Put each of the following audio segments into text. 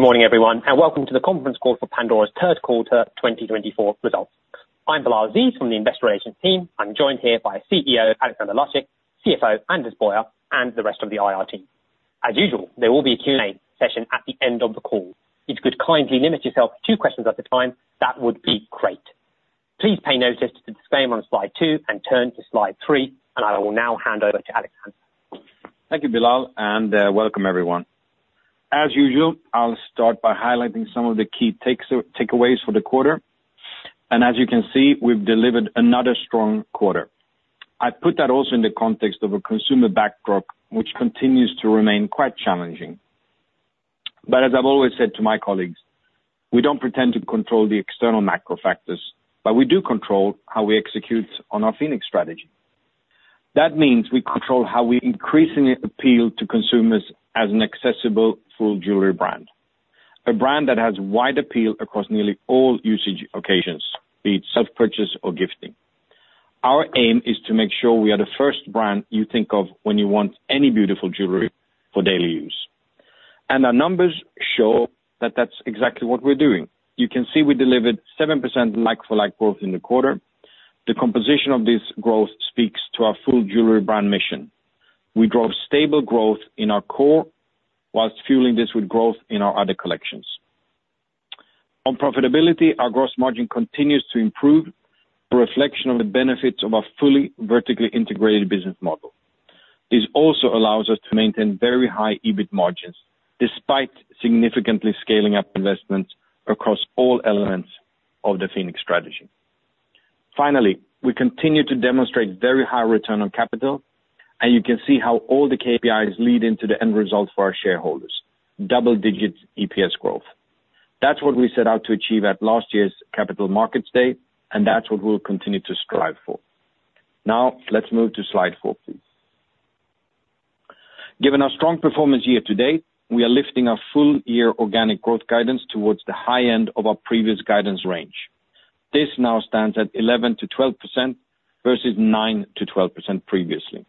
Good morning, everyone, and welcome to the conference call for Pandora's Third Quarter 2024 Results. I'm Bilal Aziz from the investor relations team. I'm joined here by CEO Alexander Lacik, CFO Anders Boyer, and the rest of the IR team. As usual, there will be a Q&A session at the end of the call. If you could kindly limit yourself to two questions at a time, that would be great. Please pay notice to the disclaimer on slide 2 and turn to slide 3, and I will now hand over to Alexander. Thank you, Bilal, and welcome, everyone. As usual, I'll start by highlighting some of the key takeaways for the quarter, and as you can see, we've delivered another strong quarter. I put that also in the context of a consumer backdrop, which continues to remain quite challenging, but as I've always said to my colleagues, we don't pretend to control the external macro factors, but we do control how we execute on our Phoenix strategy. That means we control how we increasingly appeal to consumers as an accessible, full jewelry brand, a brand that has wide appeal across nearly all usage occasions, be it self-purchase or gifting. Our aim is to make sure we are the first brand you think of when you want any beautiful jewelry for daily use, and our numbers show that that's exactly what we're doing. You can see we delivered 7% like-for-like growth in the quarter. The composition of this growth speaks to our full jewelry brand mission. We draw stable growth in our core whilst fueling this with growth in our other collections. On profitability, our gross margin continues to improve, a reflection of the benefits of a fully vertically integrated business model. This also allows us to maintain very high EBIT margins despite significantly scaling up investments across all elements of the Phoenix strategy. Finally, we continue to demonstrate very high return on capital, and you can see how all the KPIs lead into the end result for our shareholders: double-digit EPS growth. That's what we set out to achieve at last year's Capital Markets Day, and that's what we'll continue to strive for. Now, let's move to slide 4, please. Given our strong performance year to date, we are lifting our full-year organic growth guidance towards the high end of our previous guidance range. This now stands at 11%-12% versus 9%-12% previously.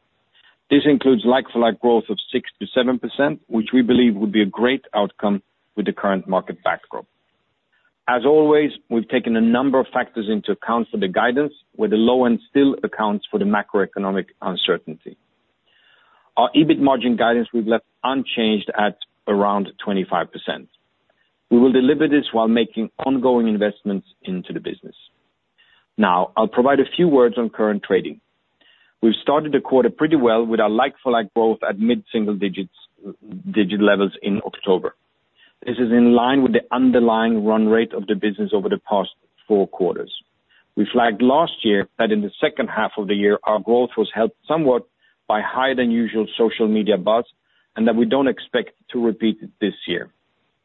This includes like-for-like growth of 6%-7%, which we believe would be a great outcome with the current market backdrop. As always, we've taken a number of factors into account for the guidance, with the low end still accounts for the macroeconomic uncertainty. Our EBIT margin guidance we've left unchanged at around 25%. We will deliver this while making ongoing investments into the business. Now, I'll provide a few words on current trading. We've started the quarter pretty well with our like-for-like growth at mid-single-digit levels in October. This is in line with the underlying run rate of the business over the past four quarters. We flagged last year that in the second half of the year, our growth was helped somewhat by higher-than-usual social media buzz and that we don't expect to repeat this year.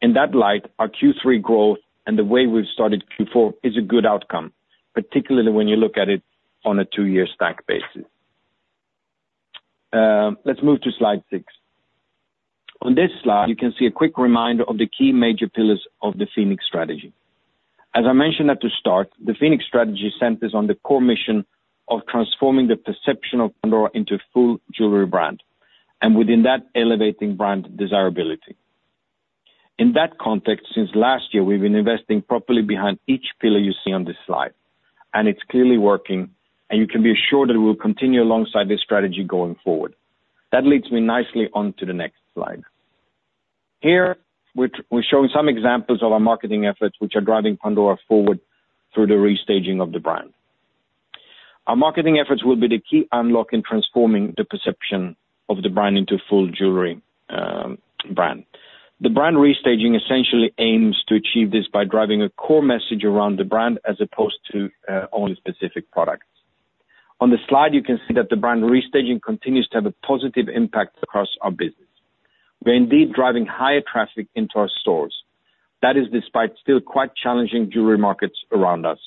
In that light, our Q3 growth and the way we've started Q4 is a good outcome, particularly when you look at it on a two-year stack basis. Let's move to slide 6. On this slide, you can see a quick reminder of the key major pillars of the Phoenix strategy. As I mentioned at the start, the Phoenix strategy centers on the core mission of transforming the perception of Pandora into a full jewelry brand and within that, elevating brand desirability. In that context, since last year, we've been investing properly behind each pillar you see on this slide, and it's clearly working, and you can be assured that we'll continue alongside this strategy going forward. That leads me nicely on to the next slide. Here, we're showing some examples of our marketing efforts, which are driving Pandora forward through the restaging of the brand. Our marketing efforts will be the key unlock in transforming the perception of the brand into a full jewelry brand. The brand restaging essentially aims to achieve this by driving a core message around the brand as opposed to only specific products. On the slide, you can see that the brand restaging continues to have a positive impact across our business. We are indeed driving higher traffic into our stores. That is despite still quite challenging jewelry markets around us.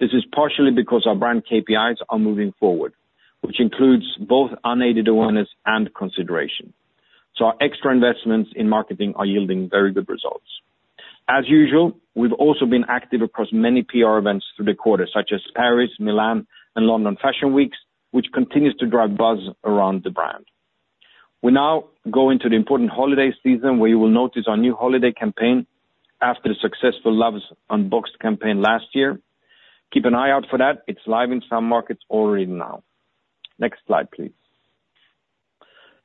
This is partially because our brand KPIs are moving forward, which includes both unaided awareness and consideration. So our extra investments in marketing are yielding very good results. As usual, we've also been active across many PR events through the quarter, such as Paris, Milan, and London Fashion Weeks, which continues to drive buzz around the brand. We now go into the important holiday season, where you will notice our new holiday campaign after the successful Loves Unboxed campaign last year. Keep an eye out for that. It's live in some markets already now. Next slide, please.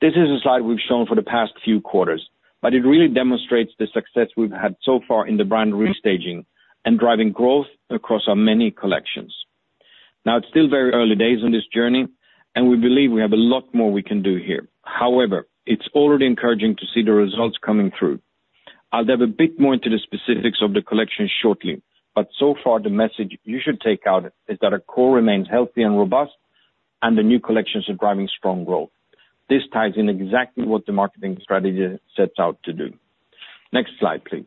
This is a slide we've shown for the past few quarters, but it really demonstrates the success we've had so far in the brand restaging and driving growth across our many collections. Now, it's still very early days on this journey, and we believe we have a lot more we can do here. However, it's already encouraging to see the results coming through. I'll dive a bit more into the specifics of the collection shortly, but so far, the message you should take out is that our core remains healthy and robust, and the new collections are driving strong growth. This ties in exactly what the marketing strategy sets out to do. Next slide, please,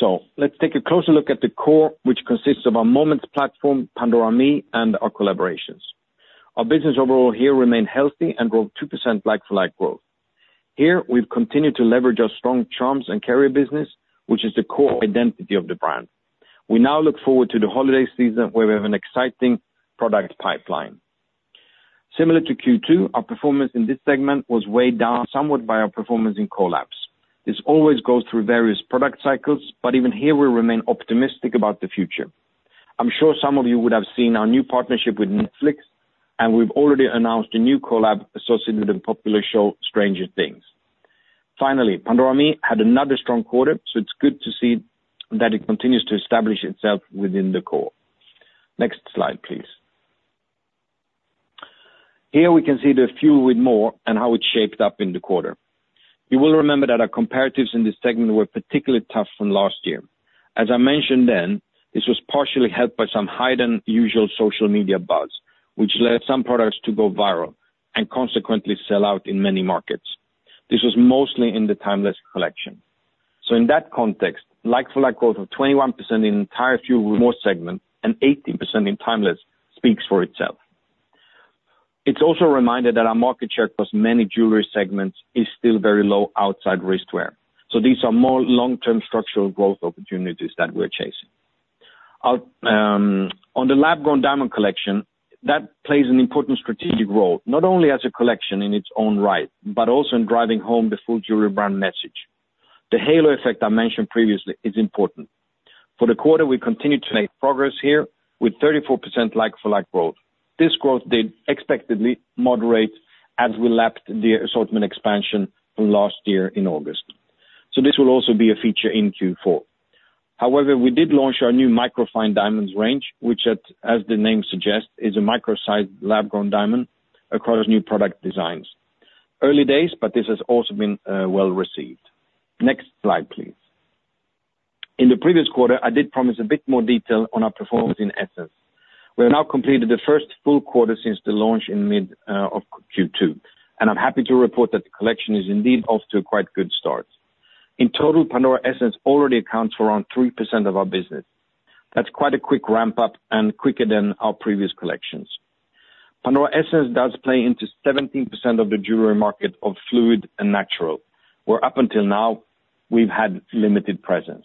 so let's take a closer look at the core, which consists of our Moments platform, Pandora ME, and our collaborations. Our business overall here remained healthy and drove 2% like-for-like growth. Here, we've continued to leverage our strong charms and carrier business, which is the core identity of the brand. We now look forward to the holiday season, where we have an exciting product pipeline. Similar to Q2, our performance in this segment was weighed down somewhat by our performance in collabs. This always goes through various product cycles, but even here, we remain optimistic about the future. I'm sure some of you would have seen our new partnership with Netflix, and we've already announced a new collab associated with the popular show Stranger Things. Finally, Pandora ME had another strong quarter, so it's good to see that it continues to establish itself within the core. Next slide, please. Here we can see the Fuel with more and how it shaped up in the quarter. You will remember that our comparatives in this segment were particularly tough from last year. As I mentioned then, this was partially helped by some higher-than-usual social media buzz, which led some products to go viral and consequently sell out in many markets. This was mostly in the Timeless collection. So in that context, like-for-like growth of 21% in the entire Fuel with more segment and 18% in Timeless speaks for itself. It's also a reminder that our market share across many jewelry segments is still very low outside wristwear, so these are more long-term structural growth opportunities that we're chasing. On the Lab-Grown Diamond collection, that plays an important strategic role, not only as a collection in its own right, but also in driving home the full jewelry brand message. The halo effect I mentioned previously is important. For the quarter, we continue to make progress here with 34% like-for-like growth. This growth did expectedly moderate as we lapped the assortment expansion from last year in August, so this will also be a feature in Q4. However, we did launch our new Micro Fine Diamonds range, which, as the name suggests, is a micro-sized lab-grown diamond across new product designs. Early days, but this has also been well received. Next slide, please. In the previous quarter, I did promise a bit more detail on our performance in Essence. We have now completed the first full quarter since the launch in mid of Q2, and I'm happy to report that the collection is indeed off to a quite good start. In total, Pandora Essence already accounts for around 3% of our business. That's quite a quick ramp-up and quicker than our previous collections. Pandora Essence does play into 17% of the jewelry market of fluid and natural, where up until now, we've had limited presence.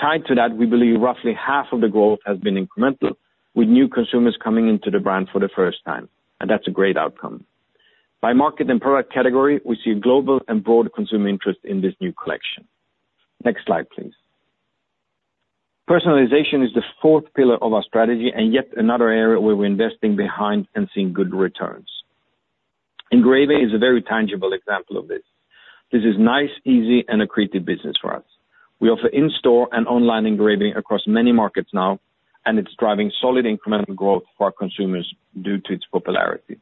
Tied to that, we believe roughly half of the growth has been incremental, with new consumers coming into the brand for the first time, and that's a great outcome. By market and product category, we see global and broad consumer interest in this new collection. Next slide, please. Personalization is the fourth pillar of our strategy and yet another area where we're investing behind and seeing good returns. Engraving is a very tangible example of this. This is nice, easy, and a creative business for us. We offer in-store and online engraving across many markets now, and it's driving solid incremental growth for our consumers due to its popularity.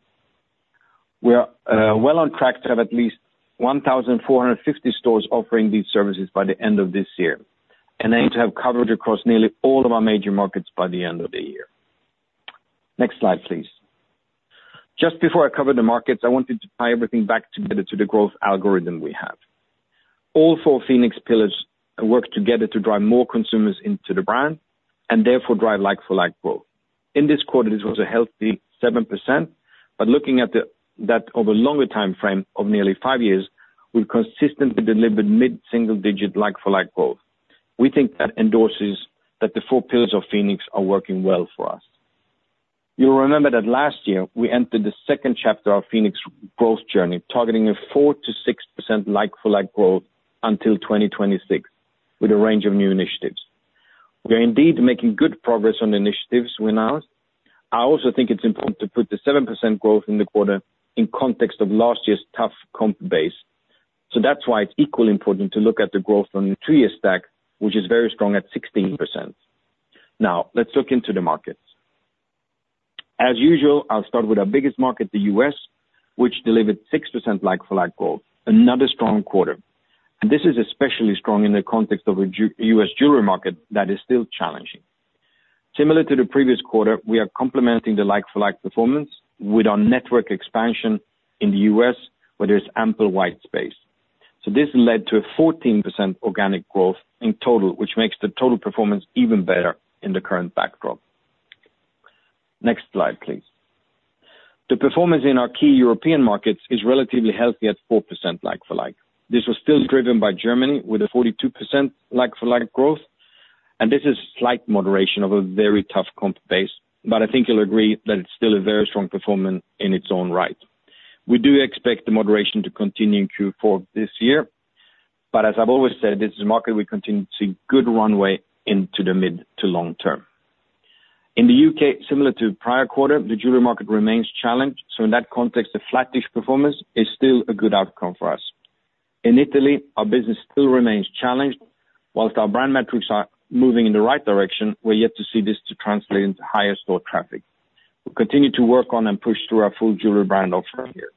We are well on track to have at least 1,450 stores offering these services by the end of this year and aim to have coverage across nearly all of our major markets by the end of the year. Next slide, please. Just before I cover the markets, I wanted to tie everything back together to the growth algorithm we have. All four Phoenix pillars work together to drive more consumers into the brand and therefore drive like-for-like growth. In this quarter, this was a healthy 7%, but looking at that over a longer time frame of nearly five years, we've consistently delivered mid-single-digit like-for-like growth. We think that endorses that the four pillars of Phoenix are working well for us. You'll remember that last year, we entered the second chapter of Phoenix's growth journey, targeting a 4%-6% like-for-like growth until 2026 with a range of new initiatives. We are indeed making good progress on the initiatives we announced. I also think it's important to put the 7% growth in the quarter in context of last year's tough comp base. So that's why it's equally important to look at the growth on the two-year stack, which is very strong at 16%. Now, let's look into the markets. As usual, I'll start with our biggest market, the U.S., which delivered 6% like-for-like growth, another strong quarter. This is especially strong in the context of a U.S. jewelry market that is still challenging. Similar to the previous quarter, we are complementing the like-for-like performance with our network expansion in the U.S., where there's ample white space. So this led to a 14% organic growth in total, which makes the total performance even better in the current backdrop. Next slide, please. The performance in our key European markets is relatively healthy at 4% like-for-like. This was still driven by Germany with a 42% like-for-like growth, and this is a slight moderation of a very tough comp base, but I think you'll agree that it's still a very strong performance in its own right. We do expect the moderation to continue in Q4 this year, but as I've always said, this is a market we continue to see good runway into the mid to long term. In the U.K., similar to the prior quarter, the jewelry market remains challenged. So in that context, the flattish performance is still a good outcome for us. In Italy, our business still remains challenged. Whilst our brand metrics are moving in the right direction, we're yet to see this translate into higher store traffic. We continue to work on and push through our full jewelry brand offering here.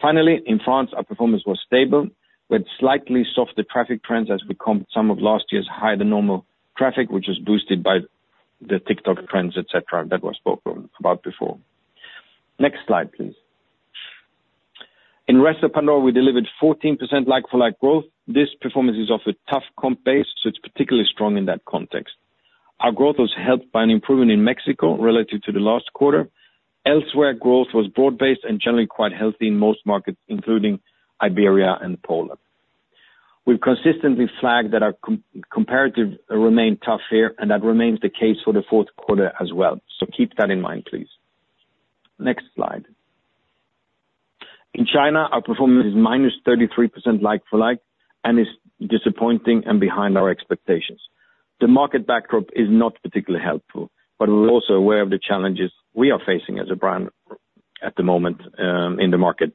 Finally, in France, our performance was stable, but slightly softer traffic trends as we comped some of last year's higher-than-normal traffic, which was boosted by the TikTok trends, etc., that I spoke about before. Next slide, please. In the rest of Pandora, we delivered 14% like-for-like growth. This performance is off a tough comp base, so it's particularly strong in that context. Our growth was helped by an improvement in Mexico relative to the last quarter. Elsewhere, growth was broad-based and generally quite healthy in most markets, including Iberia and Poland. We've consistently flagged that our comparative remained tough here, and that remains the case for the fourth quarter as well, so keep that in mind, please. Next slide. In China, our performance is minus 33% like-for-like and is disappointing and behind our expectations. The market backdrop is not particularly helpful, but we're also aware of the challenges we are facing as a brand at the moment in the market,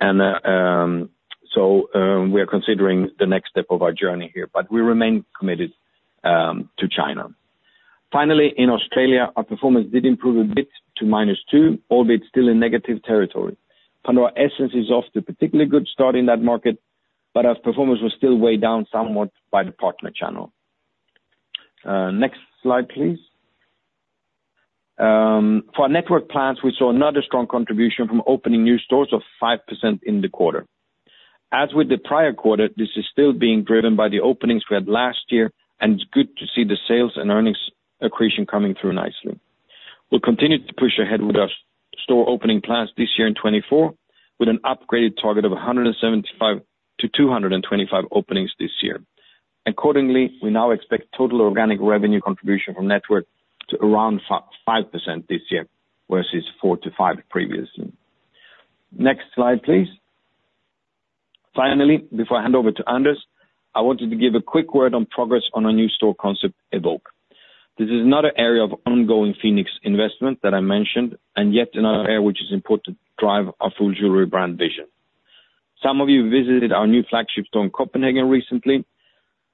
and so we are considering the next step of our journey here, but we remain committed to China. Finally, in Australia, our performance did improve a bit to minus 2, albeit still in negative territory. Pandora Essence is off to a particularly good start in that market, but our performance was still weighed down somewhat by the partner channel. Next slide, please. For our network plans, we saw another strong contribution from opening new stores of 5% in the quarter. As with the prior quarter, this is still being driven by the openings we had last year, and it's good to see the sales and earnings accretion coming through nicely. We'll continue to push ahead with our store opening plans this year in 2024, with an upgraded target of 175-225 openings this year. Accordingly, we now expect total organic revenue contribution from network to around 5% this year versus four to five previously. Next slide, please. Finally, before I hand over to Anders, I wanted to give a quick word on progress on our new store concept, Evoke. This is another area of ongoing Phoenix investment that I mentioned, and yet another area which is important to drive our full jewelry brand vision. Some of you visited our new flagship store in Copenhagen recently.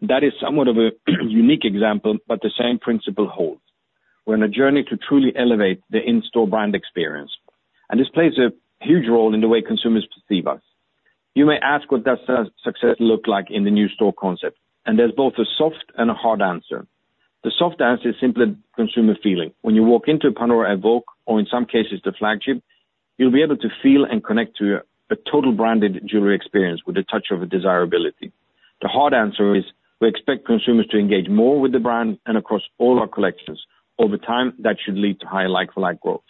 That is somewhat of a unique example, but the same principle holds. We're on a journey to truly elevate the in-store brand experience, and this plays a huge role in the way consumers perceive us. You may ask, what does success look like in the new store concept? And there's both a soft and a hard answer. The soft answer is simply consumer feeling. When you walk into a Pandora Evoke, or in some cases, the flagship, you'll be able to feel and connect to a total branded jewelry experience with a touch of desirability. The hard answer is we expect consumers to engage more with the brand and across all our collections over time. That should lead to higher like-for-like growth.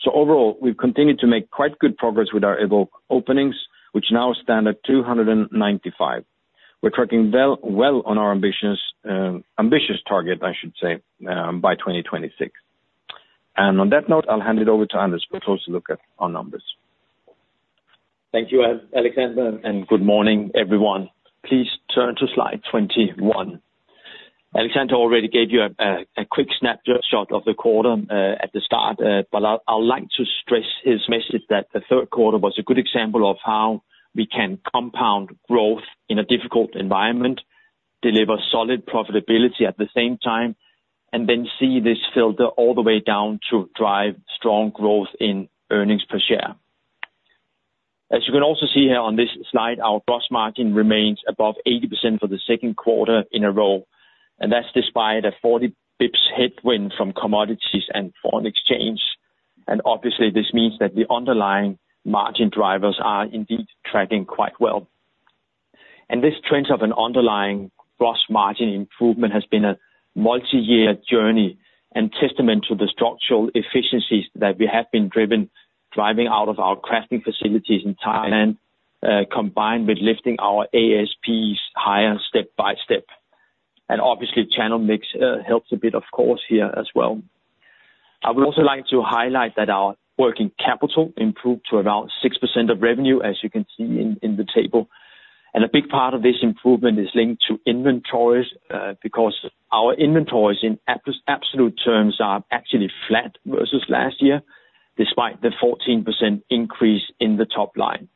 So overall, we've continued to make quite good progress with our Evoke openings, which now stand at 295. We're tracking well on our ambitious target, I should say, by 2026. And on that note, I'll hand it over to Anders for a closer look at our numbers. Thank you, Alexander, and good morning, everyone. Please turn to slide 21. Alexander already gave you a quick snapshot of the quarter at the start, but I'd like to stress his message that the third quarter was a good example of how we can compound growth in a difficult environment, deliver solid profitability at the same time, and then see this filter all the way down to drive strong growth in earnings per share. As you can also see here on this slide, our gross margin remains above 80% for the second quarter in a row, and that's despite a 40 basis points headwind from commodities and foreign exchange. Obviously, this means that the underlying margin drivers are indeed tracking quite well. This trend of an underlying gross margin improvement has been a multi-year journey and testament to the structural efficiencies that we have been driving out of our crafting facilities in Thailand, combined with lifting our ASPs higher step by step. Obviously, channel mix helps a bit, of course, here as well. I would also like to highlight that our working capital improved to around 6% of revenue, as you can see in the table. A big part of this improvement is linked to inventories because our inventories in absolute terms are actually flat versus last year, despite the 14% increase in the top line.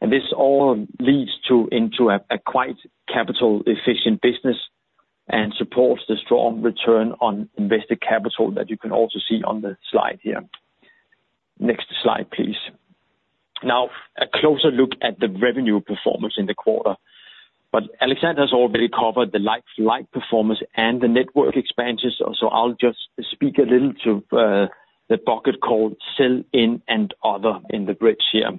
This all leads into a quite capital-efficient business and supports the strong return on invested capital that you can also see on the slide here. Next slide, please. Now, a closer look at the revenue performance in the quarter. Alexander has already covered the like-for-like performance and the network expansions, so I'll just speak a little to the bucket called Sell-in and Other in the bridge here.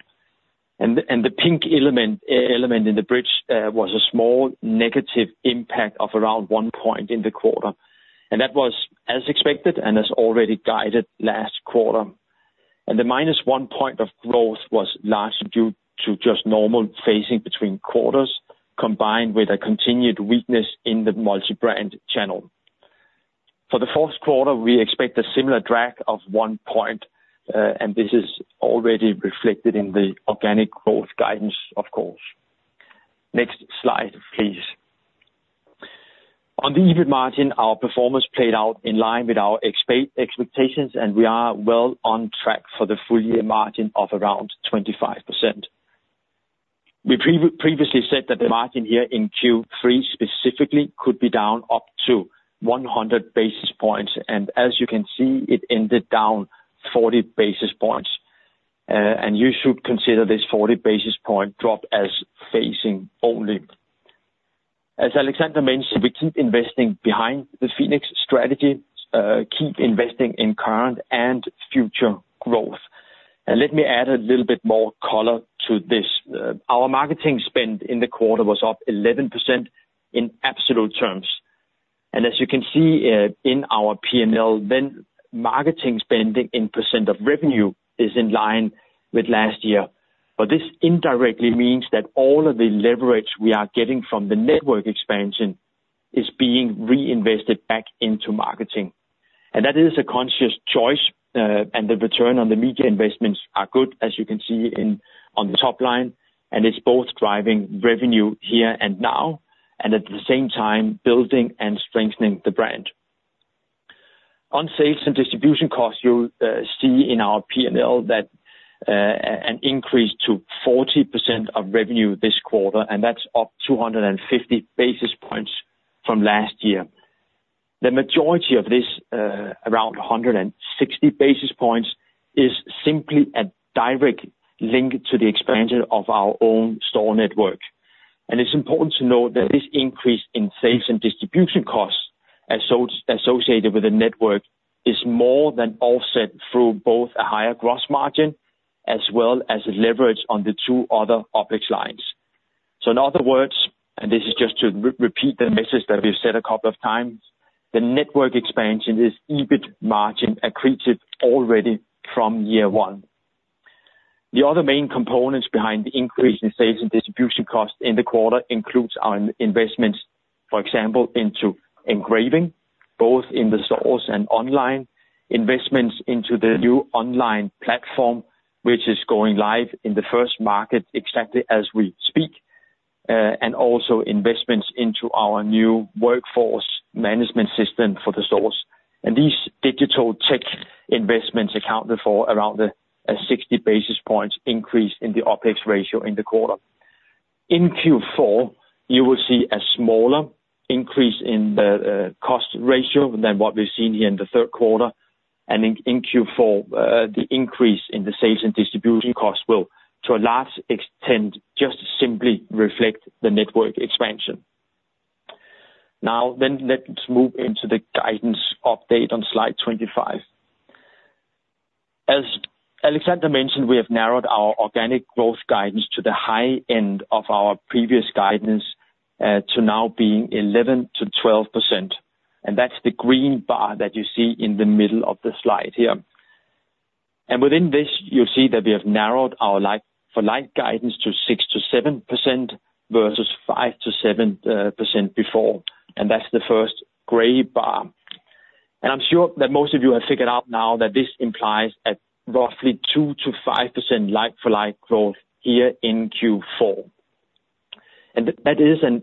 The pink element in the bridge was a small negative impact of around one point in the quarter. That was as expected and has already guided last quarter. And the minus one point of growth was largely due to just normal phasing between quarters, combined with a continued weakness in the multi-brand channel. For the fourth quarter, we expect a similar drag of one point, and this is already reflected in the organic growth guidance, of course. Next slide, please. On the EBIT margin, our performance played out in line with our expectations, and we are well on track for the full-year margin of around 25%. We previously said that the margin here in Q3 specifically could be down up to 100 basis points, and as you can see, it ended down 40 basis points. And you should consider this 40 basis point drop as phasing only. As Alexander mentioned, we keep investing behind the Phoenix strategy, keep investing in current and future growth. And let me add a little bit more color to this. Our marketing spend in the quarter was up 11% in absolute terms, and as you can see in our P&L, then marketing spending in percent of revenue is in line with last year, but this indirectly means that all of the leverage we are getting from the network expansion is being reinvested back into marketing, and that is a conscious choice, and the return on the media investments are good, as you can see on the top line, and it's both driving revenue here and now, and at the same time, building and strengthening the brand. On sales and distribution costs, you'll see in our P&L that an increase to 40% of revenue this quarter, and that's up 250 basis points from last year. The majority of this, around 160 basis points, is simply a direct link to the expansion of our own store network. And it's important to note that this increase in sales and distribution costs associated with the network is more than offset through both a higher gross margin as well as leverage on the two other OpEx lines. So in other words, and this is just to repeat the message that we've said a couple of times, the network expansion is EBIT margin accretive already from year one. The other main components behind the increase in sales and distribution costs in the quarter include our investments, for example, into engraving, both in the stores and online, investments into the new online platform, which is going live in the first market exactly as we speak, and also investments into our new workforce management system for the stores. And these digital tech investments accounted for around a 60 basis points increase in the OpEx ratio in the quarter. In Q4, you will see a smaller increase in the cost ratio than what we've seen here in the third quarter. And in Q4, the increase in the sales and distribution costs will, to a large extent, just simply reflect the network expansion. Now, then let's move into the guidance update on slide 25. As Alexander mentioned, we have narrowed our organic growth guidance to the high end of our previous guidance to now being 11%-12%. And that's the green bar that you see in the middle of the slide here. And within this, you'll see that we have narrowed our like-for-like guidance to 6%-7% versus 5%-7% before. And that's the first gray bar. And I'm sure that most of you have figured out now that this implies at roughly 2%-5% like-for-like growth here in Q4. That is an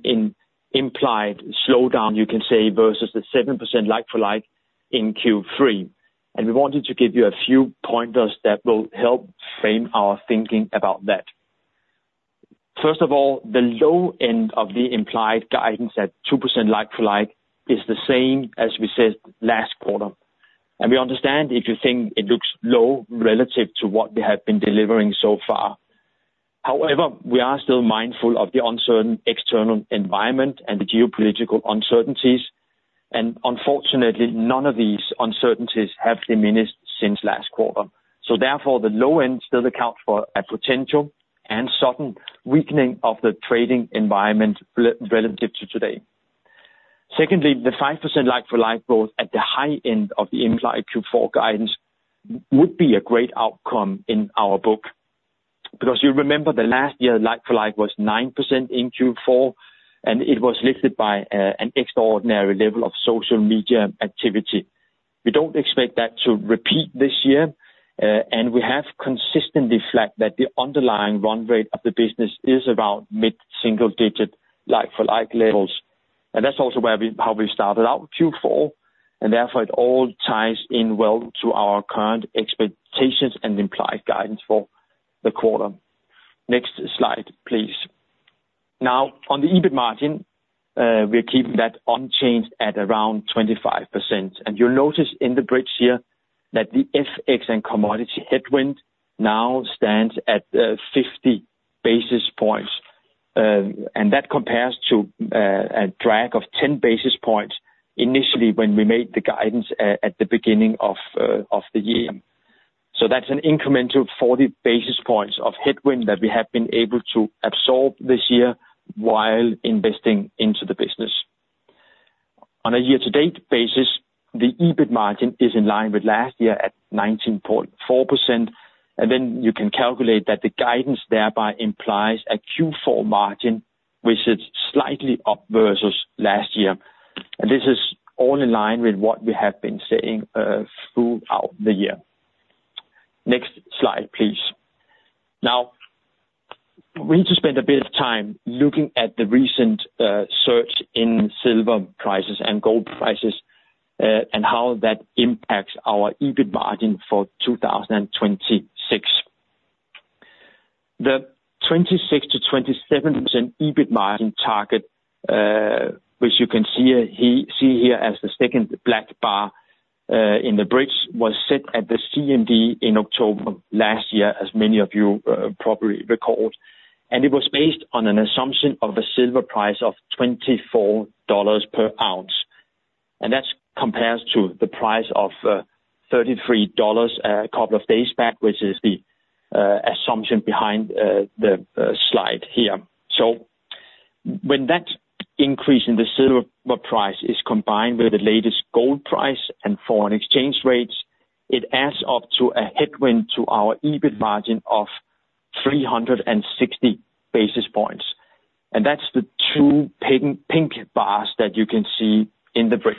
implied slowdown, you can say, versus the 7% like-for-like in Q3. We wanted to give you a few pointers that will help frame our thinking about that. First of all, the low end of the implied guidance at 2% like-for-like is the same as we said last quarter. We understand if you think it looks low relative to what we have been delivering so far. However, we are still mindful of the uncertain external environment and the geopolitical uncertainties. Unfortunately, none of these uncertainties have diminished since last quarter. Therefore, the low end still accounts for a potential and sudden weakening of the trading environment relative to today. Secondly, the 5% like-for-like growth at the high end of the implied Q4 guidance would be a great outcome in our book. Because you remember the last year, like-for-like was 9% in Q4, and it was lifted by an extraordinary level of social media activity. We don't expect that to repeat this year, and we have consistently flagged that the underlying run rate of the business is around mid-single-digit like-for-like levels. And that's also how we started out Q4, and therefore, it all ties in well to our current expectations and implied guidance for the quarter. Next slide, please. Now, on the EBIT margin, we're keeping that unchanged at around 25%. And you'll notice in the bridge here that the FX and commodity headwind now stands at 50 basis points. And that compares to a drag of 10 basis points initially when we made the guidance at the beginning of the year. That's an incremental 40 basis points of headwind that we have been able to absorb this year while investing into the business. On a year-to-date basis, the EBIT margin is in line with last year at 19.4%. You can calculate that the guidance thereby implies a Q4 margin which is slightly up versus last year. This is all in line with what we have been saying throughout the year. Next slide, please. Now, we need to spend a bit of time looking at the recent surge in silver prices and gold prices and how that impacts our EBIT margin for 2026. The 26%-27% EBIT margin target, which you can see here as the second black bar in the bridge, was set at the CMD in October last year, as many of you probably recall. It was based on an assumption of a silver price of $24 per ounce. That compares to the price of $33 a couple of days back, which is the assumption behind the slide here. When that increase in the silver price is combined with the latest gold price and foreign exchange rates, it adds up to a headwind to our EBIT margin of 360 basis points. That's the two pink bars that you can see in the bridge.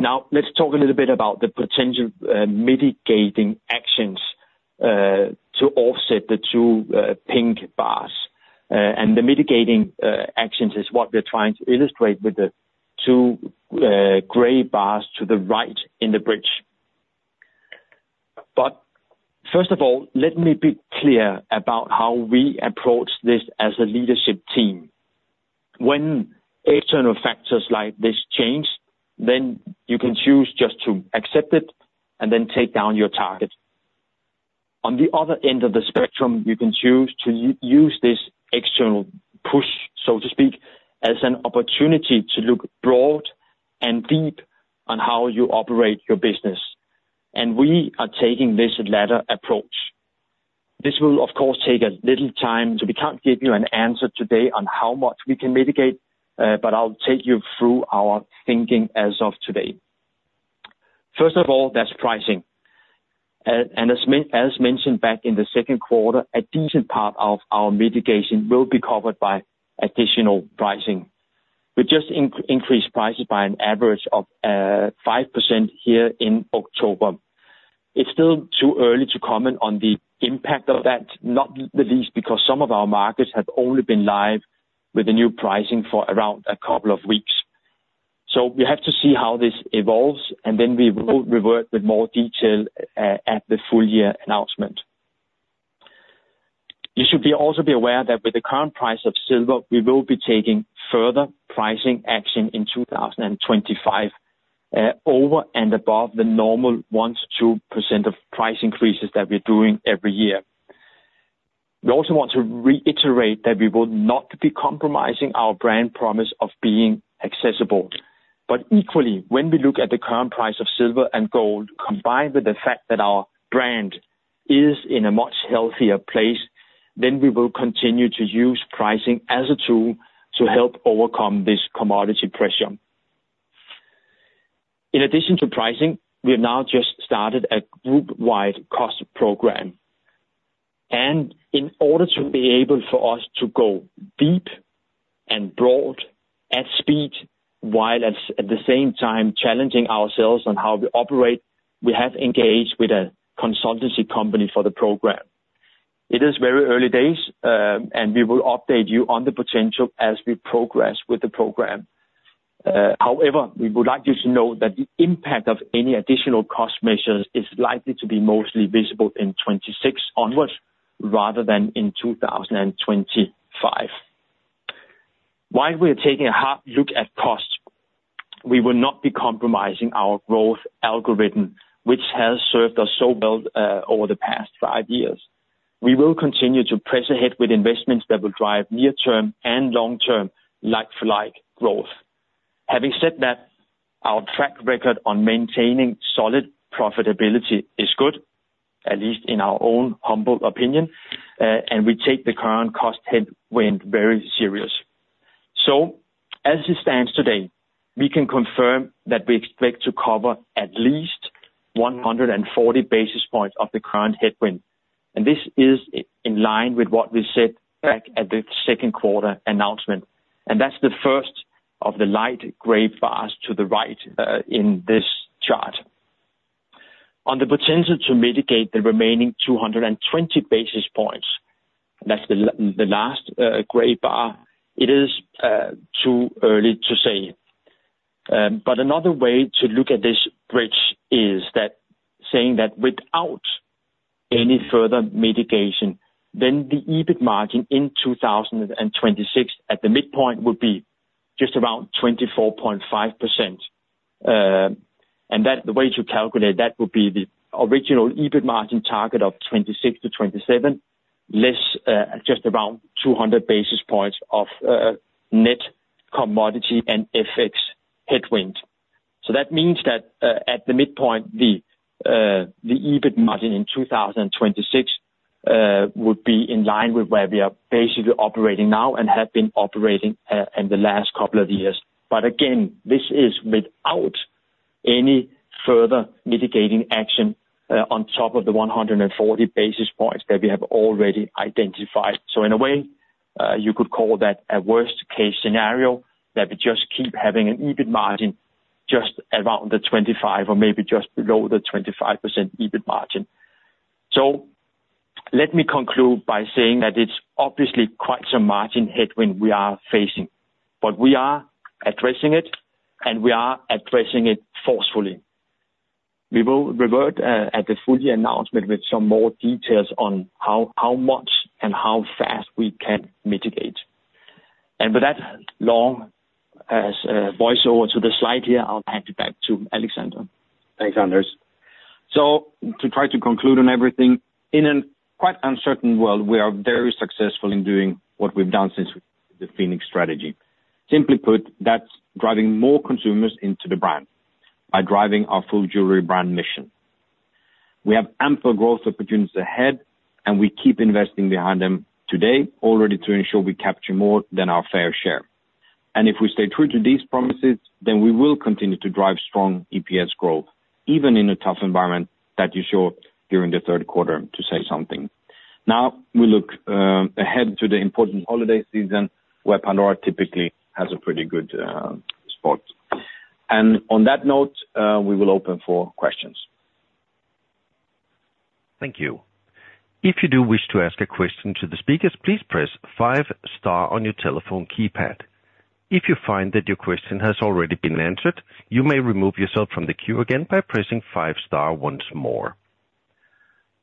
Now, let's talk a little bit about the potential mitigating actions to offset the two pink bars. The mitigating actions is what we're trying to illustrate with the two gray bars to the right in the bridge. First of all, let me be clear about how we approach this as a leadership team. When external factors like this change, then you can choose just to accept it and then take down your target. On the other end of the spectrum, you can choose to use this external push, so to speak, as an opportunity to look broad and deep on how you operate your business. And we are taking this latter approach. This will, of course, take a little time, so we can't give you an answer today on how much we can mitigate, but I'll take you through our thinking as of today. First of all, there's pricing. And as mentioned back in the second quarter, a decent part of our mitigation will be covered by additional pricing. We just increased prices by an average of 5% here in October. It's still too early to comment on the impact of that, not the least because some of our markets have only been live with the new pricing for around a couple of weeks. So we have to see how this evolves, and then we will revert with more detail at the full-year announcement. You should also be aware that with the current price of silver, we will be taking further pricing action in 2025 over and above the normal 1%-2% of price increases that we're doing every year. We also want to reiterate that we will not be compromising our brand promise of being accessible. But equally, when we look at the current price of silver and gold, combined with the fact that our brand is in a much healthier place, then we will continue to use pricing as a tool to help overcome this commodity pressure. In addition to pricing, we have now just started a group-wide cost program, and in order to be able for us to go deep and broad at speed while at the same time challenging ourselves on how we operate, we have engaged with a consultancy company for the program. It is very early days, and we will update you on the potential as we progress with the program. However, we would like you to know that the impact of any additional cost measures is likely to be mostly visible in 2026 onwards rather than in 2025. While we are taking a hard look at costs, we will not be compromising our growth algorithm, which has served us so well over the past five years. We will continue to press ahead with investments that will drive near-term and long-term like-for-like growth. Having said that, our track record on maintaining solid profitability is good, at least in our own humble opinion, and we take the current cost headwind very serious. So as it stands today, we can confirm that we expect to cover at least 140 basis points of the current headwind. And this is in line with what we said back at the second quarter announcement. And that's the first of the light gray bars to the right in this chart. On the potential to mitigate the remaining 220 basis points, that's the last gray bar, it is too early to say. But another way to look at this bridge is saying that without any further mitigation, then the EBIT margin in 2026 at the midpoint would be just around 24.5%. The way to calculate that would be the original EBIT margin target of 2026 to 2027, just around 200 basis points of net commodity and FX headwind. So that means that at the midpoint, the EBIT margin in 2026 would be in line with where we are basically operating now and have been operating in the last couple of years. But again, this is without any further mitigating action on top of the 140 basis points that we have already identified. So in a way, you could call that a worst-case scenario that we just keep having an EBIT margin just around the 25% or maybe just below the 25% EBIT margin. So let me conclude by saying that it's obviously quite some margin headwind we are facing, but we are addressing it, and we are addressing it forcefully. We will revert at the full-year announcement with some more details on how much and how fast we can mitigate. And with that long voiceover to the slide here, I'll hand it back to Alexander. Thanks, Anders. So to try to conclude on everything, in a quite uncertain world, we are very successful in doing what we've done since the Phoenix strategy. Simply put, that's driving more consumers into the brand by driving our full jewelry brand mission. We have ample growth opportunities ahead, and we keep investing behind them today already to ensure we capture more than our fair share. And if we stay true to these promises, then we will continue to drive strong EPS growth, even in a tough environment that you saw during the third quarter to say something. Now, we look ahead to the important holiday season where Pandora typically has a pretty good spot. On that note, we will open for questions. Thank you. If you do wish to ask a question to the speakers, please press five-star on your telephone keypad. If you find that your question has already been answered, you may remove yourself from the queue again by pressing five-star once more.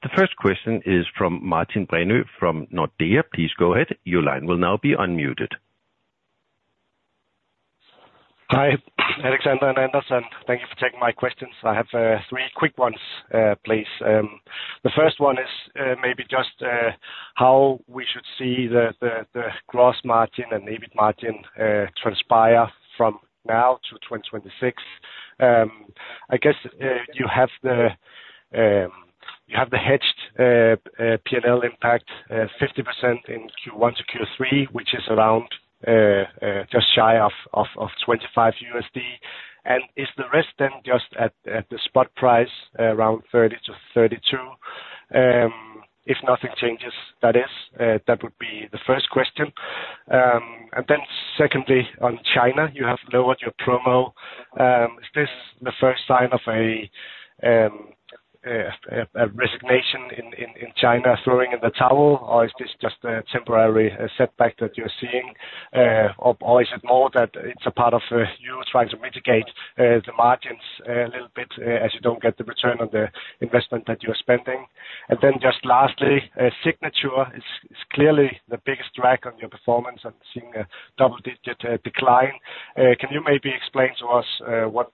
The first question is from Martin Brenø from Nordea. Please go ahead. Your line will now be unmuted. Hi, Alexander and Anders. Thank you for taking my questions. I have three quick ones, please. The first one is maybe just how we should see the gross margin and EBIT margin transpire from now to 2026. I guess you have the hedged P&L impact 50% in Q1 to Q3, which is around just shy of $25. And is the rest then just at the spot price around 30-32? If nothing changes, that would be the first question, and then secondly, on China, you have lowered your promo. Is this the first sign of a resignation in China throwing in the towel, or is this just a temporary setback that you're seeing, or is it more that it's a part of you trying to mitigate the margins a little bit as you don't get the return on the investment that you're spending? And then just lastly, Signature is clearly the biggest drag on your performance and seeing a double-digit decline. Can you maybe explain to us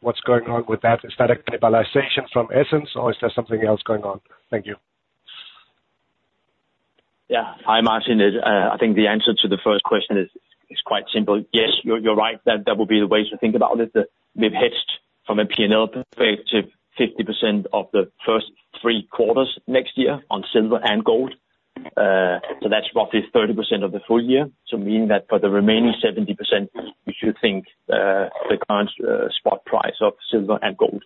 what's going on with that? Is that a cannibalization from Essence, or is there something else going on? Thank you. Yeah. Hi, Martin. I think the answer to the first question is quite simple. Yes, you're right. That would be the way to think about it. We've hedged from a P&L perspective 50% of the first three quarters next year on silver and gold. So that's roughly 30% of the full year. So meaning that for the remaining 70%, we should think the current spot price of silver and gold.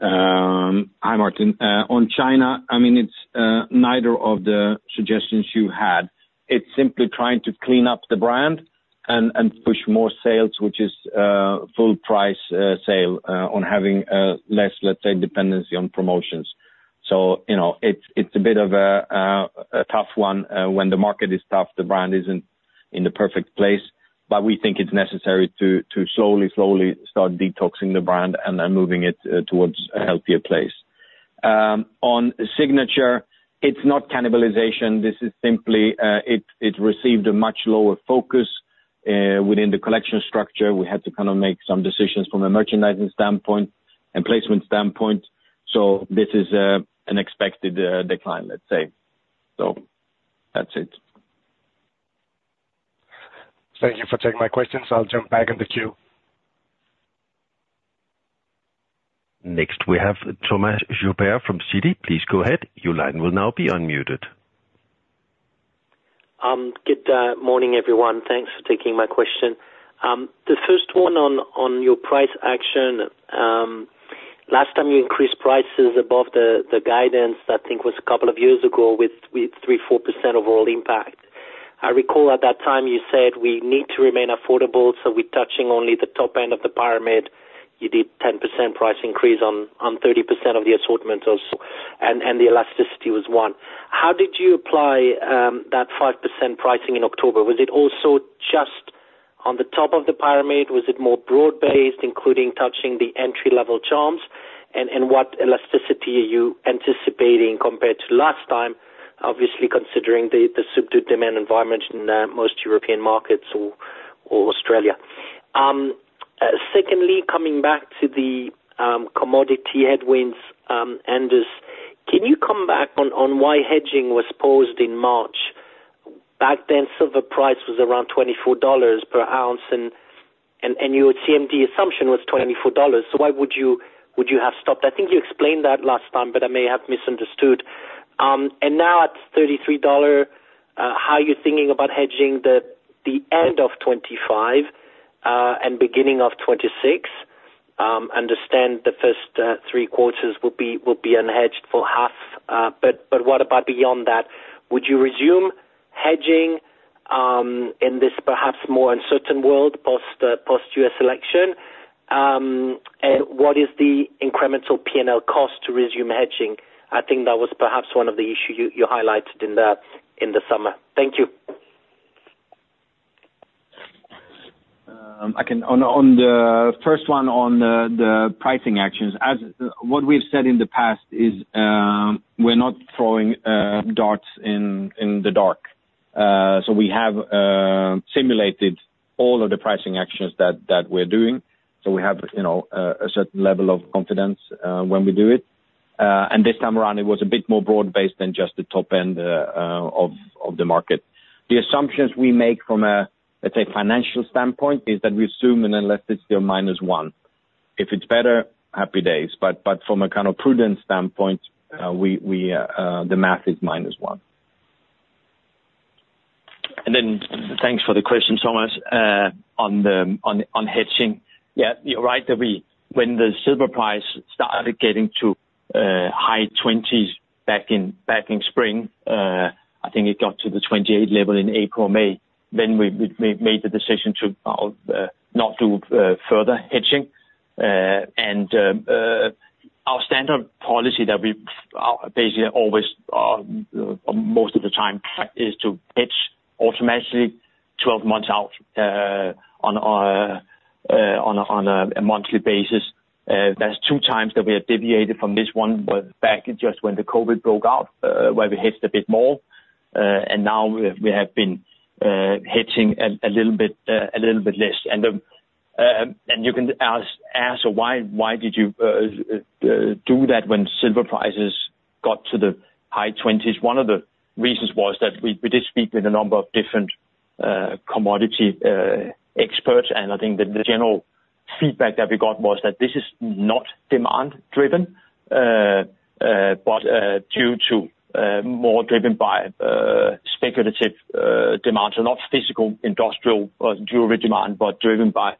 Hi, Martin. On China, I mean, it's neither of the suggestions you had. It's simply trying to clean up the brand and push more sales, which is full-price sale on having less, let's say, dependency on promotions. So it's a bit of a tough one. When the market is tough, the brand isn't in the perfect place. But we think it's necessary to slowly, slowly start detoxing the brand and then moving it towards a healthier place. On Signature, it's not cannibalization. This is simply it received a much lower focus within the collection structure. We had to kind of make some decisions from a merchandising standpoint and placement standpoint. So this is an expected decline, let's say. So that's it. Thank you for taking my questions. I'll jump back in the queue. Next, we have Thomas Chauvet from Citi. Please go ahead. Your line will now be unmuted. Good morning, everyone. Thanks for taking my question. The first one on your price action, last time you increased prices above the guidance, I think was a couple of years ago with 3%-4% overall impact. I recall at that time you said we need to remain affordable, so we're touching only the top end of the pyramid. You did 10% price increase on 30% of the assortment, and the elasticity was one. How did you apply that 5% pricing in October? Was it also just on the top of the pyramid? Was it more broad-based, including touching the entry-level charms? And what elasticity are you anticipating compared to last time, obviously considering the subdued demand environment in most European markets or Australia? Secondly, coming back to the commodity headwinds, Anders, can you come back on why hedging was paused in March? Back then, silver price was around $24 per ounce, and your CMD assumption was $24. So why would you have stopped? I think you explained that last time, but I may have misunderstood. And now at $33, how are you thinking about hedging the end of 2025 and beginning of 2026? Understand the first three quarters will be unhedged for half. But what about beyond that? Would you resume hedging in this perhaps more uncertain world post-U.S. election? And what is the incremental P&L cost to resume hedging? I think that was perhaps one of the issues you highlighted in the summer. Thank you. On the first one on the pricing actions, what we've said in the past is we're not throwing darts in the dark. So we have simulated all of the pricing actions that we're doing. So we have a certain level of confidence when we do it. And this time around, it was a bit more broad-based than just the top end of the market. The assumptions we make from a, let's say, financial standpoint is that we assume an elasticity of minus one. If it's better, happy days. But from a kind of prudence standpoint, the math is minus one. And then thanks for the question, Thomas, on hedging. Yeah, you're right that when the silver price started getting to high $20s back in spring, I think it got to the $28 level in April, May, then we made the decision to not do further hedging, and our standard policy that we basically always, most of the time, is to hedge automatically 12 months out on a monthly basis. That's two times that we have deviated from this one back just when the COVID broke out, where we hedged a bit more, and now we have been hedging a little bit less. And you can ask, why did you do that when silver prices got to the high $20s? One of the reasons was that we did speak with a number of different commodity experts, and I think the general feedback that we got was that this is not demand-driven, but due to more driven by speculative demand, so not physical industrial jewelry demand, but driven by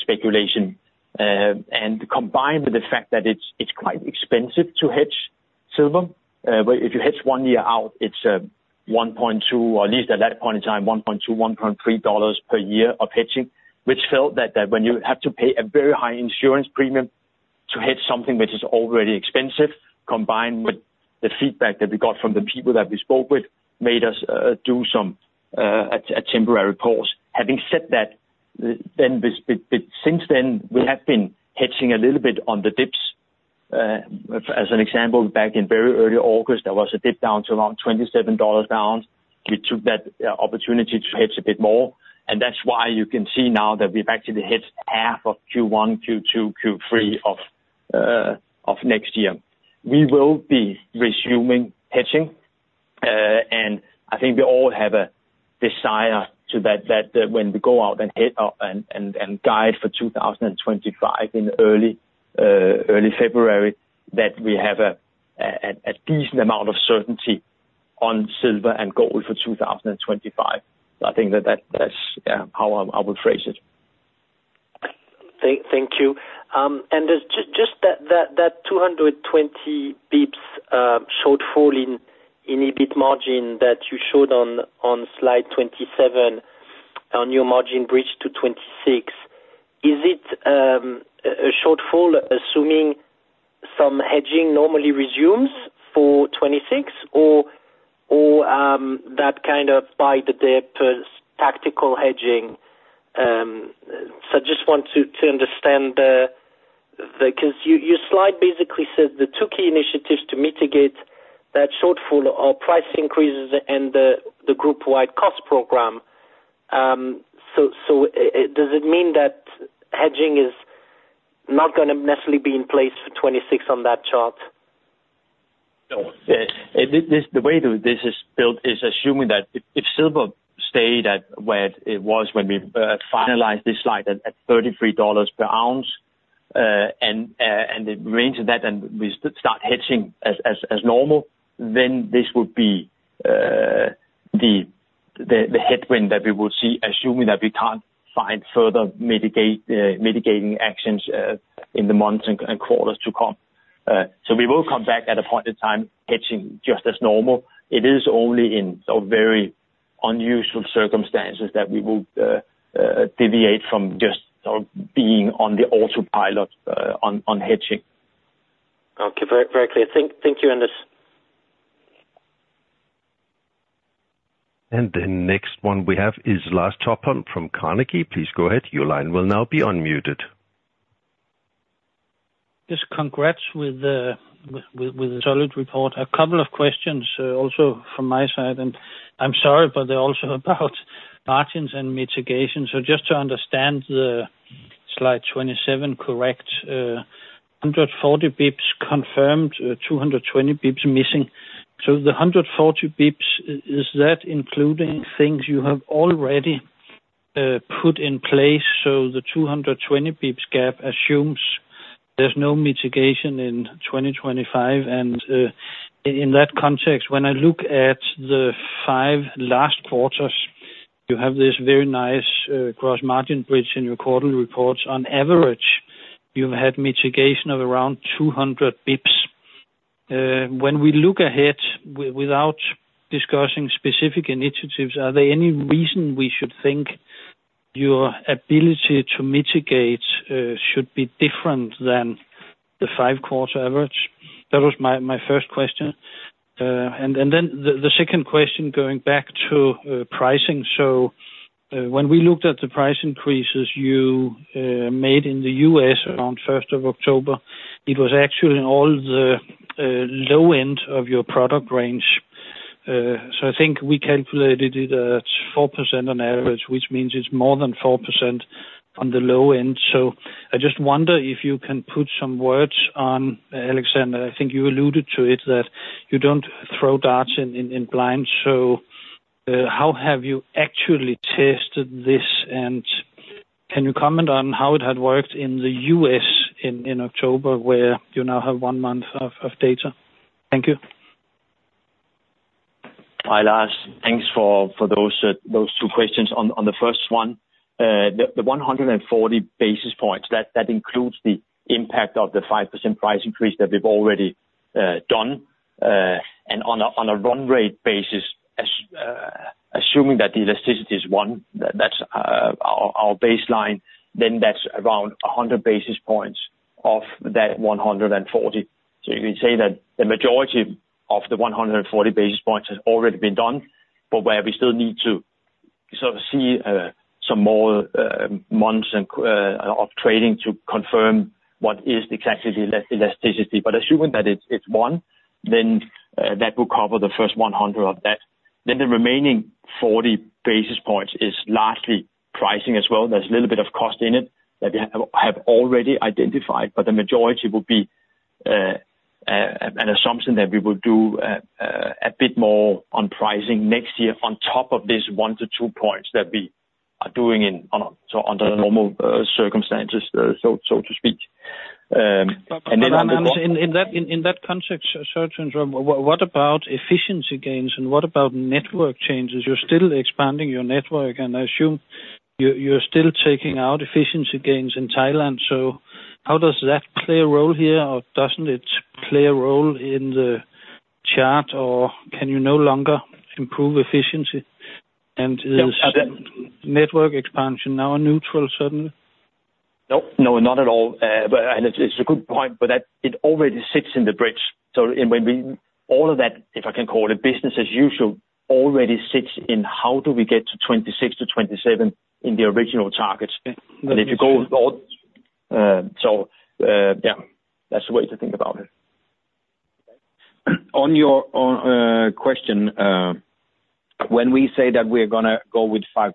speculation, and combined with the fact that it's quite expensive to hedge silver, if you hedge one year out, it's $1.2, or at least at that point in time, $1.2-$1.3 dollars per year of hedging, which felt that when you have to pay a very high insurance premium to hedge something which is already expensive, combined with the feedback that we got from the people that we spoke with, made us do a temporary pause. Having said that, since then, we have been hedging a little bit on the dips. As an example, back in very early August, there was a dip down to around $27 an ounce. We took that opportunity to hedge a bit more. That's why you can see now that we've actually hedged half of Q1, Q2, Q3 of next year. We will be resuming hedging. I think we all have a desire to do that when we go out and guide for 2025 in early February, that we have a decent amount of certainty on silver and gold for 2025. So I think that's how I would phrase it. Thank you. And just that 220 basis points showed fall in EBIT margin that you showed on slide 27 on your margin bridge to 2026. Is it a shortfall assuming some hedging normally resumes for 2026, or that kind of buy-the-dip tactical hedging? I just want to understand because your slide basically says the two key initiatives to mitigate that shortfall are price increases and the group-wide cost program. So does it mean that hedging is not going to necessarily be in place for 2026 on that chart? The way this is built is assuming that if silver stayed at where it was when we finalized this slide at $33 per ounce, and it remains at that, and we start hedging as normal, then this would be the headwind that we would see, assuming that we can't find further mitigating actions in the months and quarters to come. So we will come back at a point in time, hedging just as normal. It is only in very unusual circumstances that we will deviate from just being on the autopilot on hedging. Okay. Very clear. Thank you, Anders. And the next one we have is Lars Topholm from Carnegie. Please go ahead. Your line will now be unmuted. Just congrats with a solid report. A couple of questions also from my side, and I'm sorry, but they're also about margins and mitigation. So just to understand, slide 27 correct? 140 bips confirmed, 220 bips missing. So the 140 bips, is that including things you have already put in place? So the 220 bips gap assumes there's no mitigation in 2025. And in that context, when I look at the five last quarters, you have this very nice gross margin bridge in your quarterly reports. On average, you've had mitigation of around 200 bips. When we look ahead without discussing specific initiatives, are there any reason we should think your ability to mitigate should be different than the five-quarter average? That was my first question. Then the second question going back to pricing. So when we looked at the price increases you made in the U.S. around 1st of October, it was actually all the low end of your product range. So I think we calculated it at 4% on average, which means it's more than 4% on the low end. So I just wonder if you can put some words on, Alexander? I think you alluded to it, that you don't throw darts in blind. So how have you actually tested this? And can you comment on how it had worked in the U.S. in October, where you now have one month of data? Thank you. Hi, Lars. Thanks for those two questions. On the first one, the 140 basis points, that includes the impact of the 5% price increase that we've already done. And on a run rate basis, assuming that the elasticity is one, that's our baseline. Then that's around 100 basis points off that 140. So you can say that the majority of the 140 basis points has already been done, but where we still need to sort of see some more months of trading to confirm what is exactly the elasticity. But assuming that it's one, then that would cover the first 100 of that. Then the remaining 40 basis points is largely pricing as well. There's a little bit of cost in it that we have already identified, but the majority would be an assumption that we would do a bit more on pricing next year on top of this one to two points that we are doing under normal circumstances, so to speak. And then on that. In that context, Sergeant, what about efficiency gains? What about network changes? You're still expanding your network, and I assume you're still taking out efficiency gains in Thailand. So how does that play a role here, or doesn't it play a role in the chart, or can you no longer improve efficiency? And is network expansion now neutral, suddenly? No, not at all. And it's a good point, but it already sits in the bridge. So all of that, if I can call it business as usual, already sits in how do we get to 26-27 in the original target. And if you go back so yeah, that's the way to think about it. On your question, when we say that we're going to go with 5%,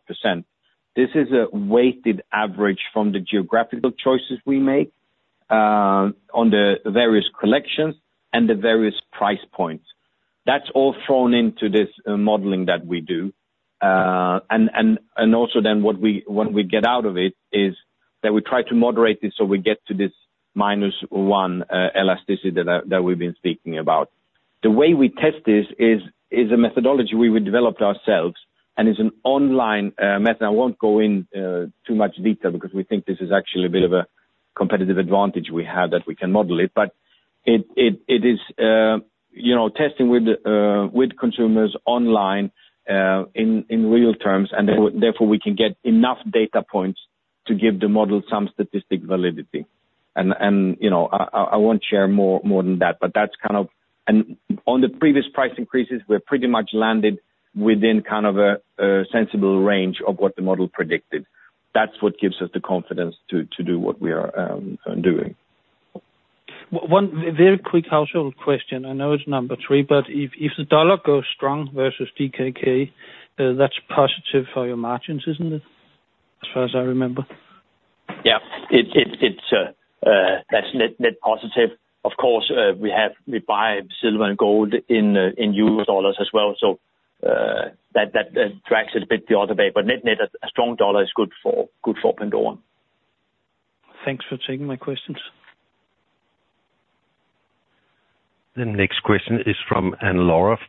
this is a weighted average from the geographical choices we make on the various collections and the various price points. That's all thrown into this modeling that we do, and also then what we get out of it is that we try to moderate this so we get to this minus one elasticity that we've been speaking about. The way we test this is a methodology we developed ourselves, and it's an online method. I won't go into too much detail because we think this is actually a bit of a competitive advantage we have that we can model it. But it is testing with consumers online in real terms, and therefore we can get enough data points to give the model some statistical validity, and I won't share more than that, but that's kind of and on the previous price increases, we're pretty much landed within kind of a sensible range of what the model predicted. That's what gives us the confidence to do what we are doing. One very quick housekeeping question. I know it's number three, but if the dollar goes strong versus DKK, that's positive for your margins, isn't it? As far as I remember. Yeah. That's net positive. Of course, we buy silver and gold in U.S. dollars as well. So that drags it a bit the other way. But net net a strong dollar is good for Pandora. Thanks for taking my questions. The next question is from Anne-Laure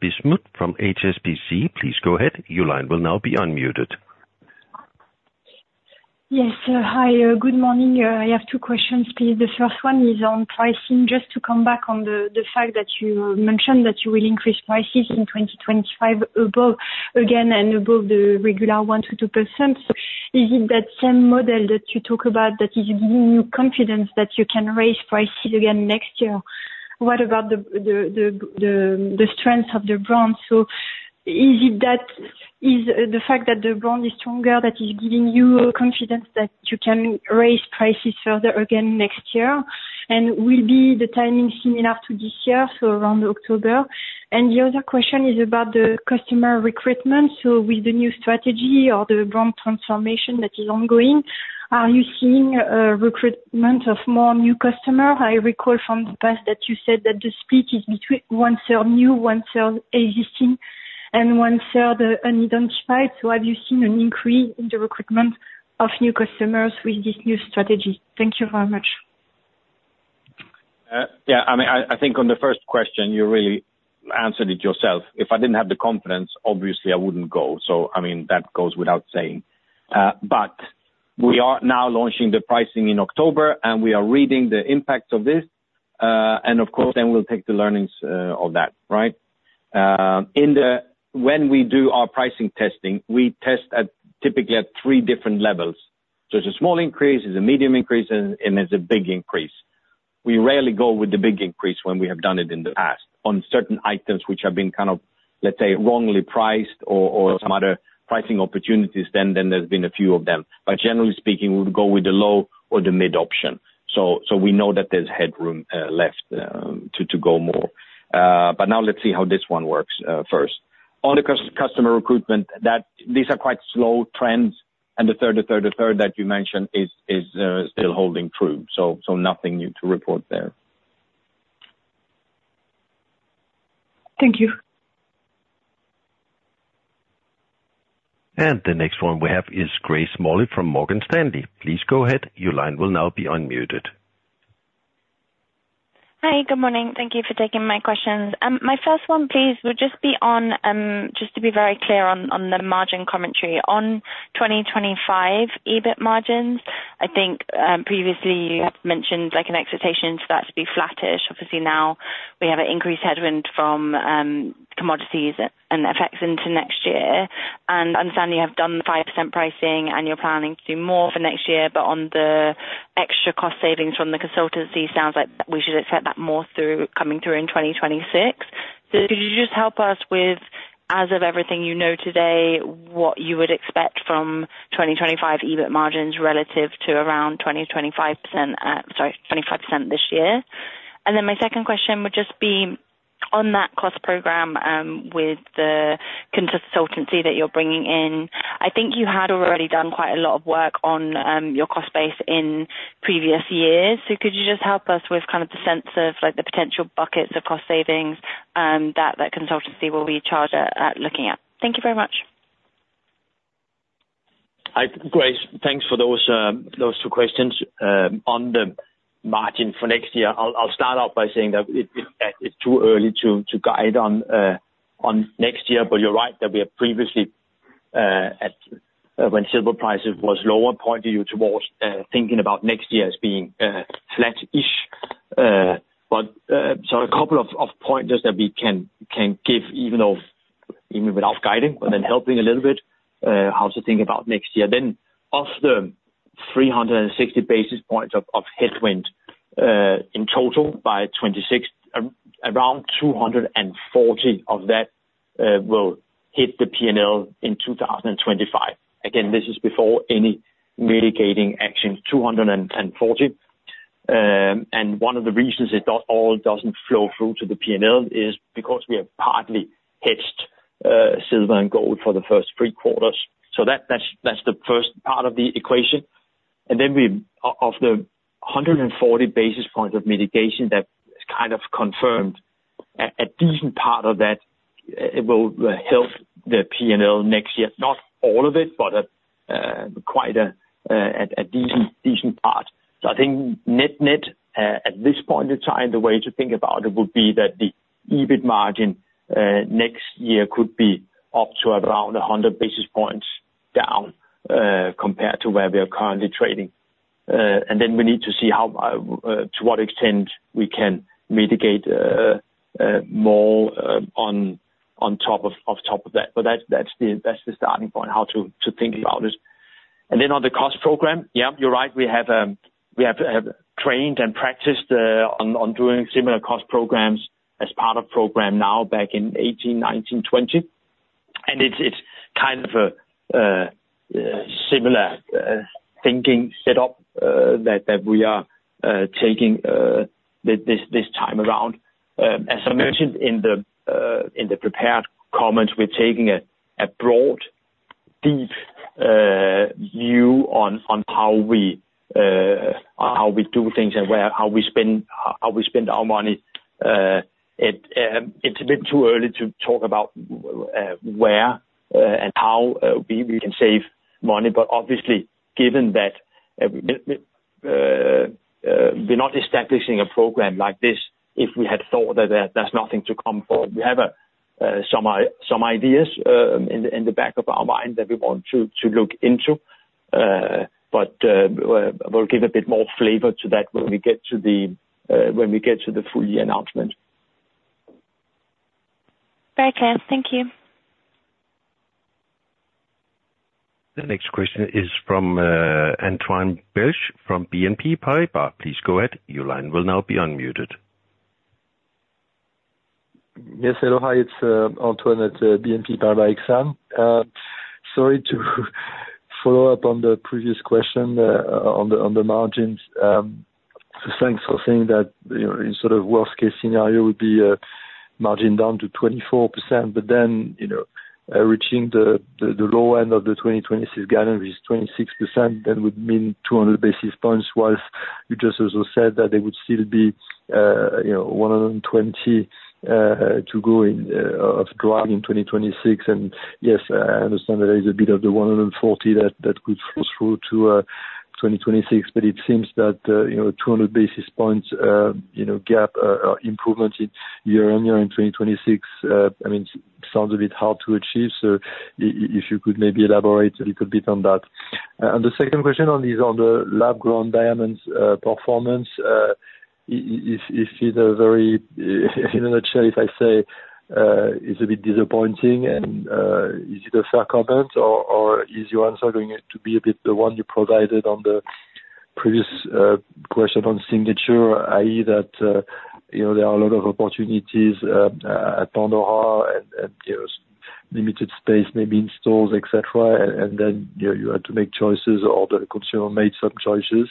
Bismuth from HSBC. Please go ahead. Your line will now be unmuted. Yes. Hi. Good morning. I have two questions, please. The first one is on pricing. Just to come back on the fact that you mentioned that you will increase prices in 2025 again and above the regular 1%-2%, is it that same model that you talk about that is giving you confidence that you can raise prices again next year? What about the strength of the brand, so is it that the fact that the brand is stronger that is giving you confidence that you can raise prices further again next year, and will the timing be similar to this year, so around October, and the other question is about the customer recruitment, so with the new strategy or the brand transformation that is ongoing, are you seeing recruitment of more new customers? I recall from the past that you said that the split is between one third new, one third existing, and one third unidentified. So have you seen an increase in the recruitment of new customers with this new strategy? Thank you very much. Yeah. I mean, I think on the first question, you really answered it yourself. If I didn't have the confidence, obviously, I wouldn't go. So I mean, that goes without saying. But we are now launching the pricing in October, and we are seeing the impact of this. And of course, then we'll take the learnings of that, right? When we do our pricing testing, we test typically at three different levels. So it's a small increase, it's a medium increase, and it's a big increase. We rarely go with the big increase when we have done it in the past. On certain items which have been kind of, let's say, wrongly priced or some other pricing opportunities, then there's been a few of them. But generally speaking, we would go with the low or the mid option. So we know that there's headroom left to go more. But now let's see how this one works first. On the customer recruitment, these are quite slow trends. And the third that you mentioned is still holding true. So nothing new to report there. Thank you. And the next one we have is Grace Smalley from Morgan Stanley. Please go ahead. Your line will now be unmuted. Hi. Good morning. Thank you for taking my questions. My first one, please, would just be on, just to be very clear on the margin commentary, on 2025 EBIT margins. I think previously you have mentioned an expectation for that to be flattish. Obviously, now we have an increased headwind from commodities and effects into next year. And I understand you have done the 5% pricing and you're planning to do more for next year, but on the extra cost savings from the consultancy, it sounds like we should expect that more coming through in 2026. So could you just help us with, as of everything you know today, what you would expect from 2025 EBIT margins relative to around 20%-25%, sorry, 25% this year? And then my second question would just be on that cost program with the consultancy that you're bringing in. I think you had already done quite a lot of work on your cost base in previous years. So could you just help us with kind of the sense of the potential buckets of cost savings that that consultancy will be charged at looking at? Thank you very much. Grace, thanks for those two questions. On the margin for next year, I'll start off by saying that it's too early to guide on next year, but you're right that we have previously, when silver prices was lower, pointed you towards thinking about next year as being flat-ish. But, so, a couple of pointers that we can give, even without guiding, but then helping a little bit how to think about next year. Then, of the 360 basis points of headwind in total by 2026, around 240 of that will hit the P&L in 2025. Again, this is before any mitigating action, 240. And one of the reasons it all doesn't flow through to the P&L is because we have partly hedged silver and gold for the first three quarters. So that's the first part of the equation. And then of the 140 basis points of mitigation that kind of confirmed a decent part of that will help the P&L next year. Not all of it, but quite a decent part. So I think net net, at this point in time, the way to think about it would be that the EBIT margin next year could be up to around 100 basis points down compared to where we are currently trading. And then we need to see to what extent we can mitigate more on top of that. But that's the starting point, how to think about it. And then on the cost program, yeah, you're right. We have trained and practiced on doing similar cost programs as part of Programme NOW back in 2018, 2019, 2020. And it's kind of a similar thinking setup that we are taking this time around. As I mentioned in the prepared comments, we're taking a broad, deep view on how we do things and how we spend our money. It's a bit too early to talk about where and how we can save money. But obviously, given that we're not establishing a program like this, if we had thought that there's nothing to come forward, we have some ideas in the back of our mind that we want to look into. But we'll give a bit more flavor to that when we get to the full year announcement. Very clear. Thank you. The next question is from Antoine Belge from BNP Paribas. Please go ahead. Your line will now be unmuted. Yes, hello. Hi. It's Antoine at BNP Paribas, again. Sorry to follow up on the previous question on the margins. Thanks for saying that in sort of worst-case scenario, it would be margin down to 24%. But then reaching the low end of the 2026 guidance, which is 26%, then would mean 200 basis points, while you just also said that there would still be 120 to go of drag in 2026. And yes, I understand there is a bit of the 140 that would flow through to 2026, but it seems that 200 basis points gap improvement year on year in 2026, I mean, sounds a bit hard to achieve. So if you could maybe elaborate a little bit on that. And the second question on the Lab-Grown Diamonds performance, is it, in a nutshell, if I say, it's a bit disappointing? And is it a fair comment, or is your answer going to be a bit the one you provided on the previous question on Signature, i.e., that there are a lot of opportunities at Pandora and limited space, maybe in stores, etc., and then you had to make choices, or the consumer made some choices?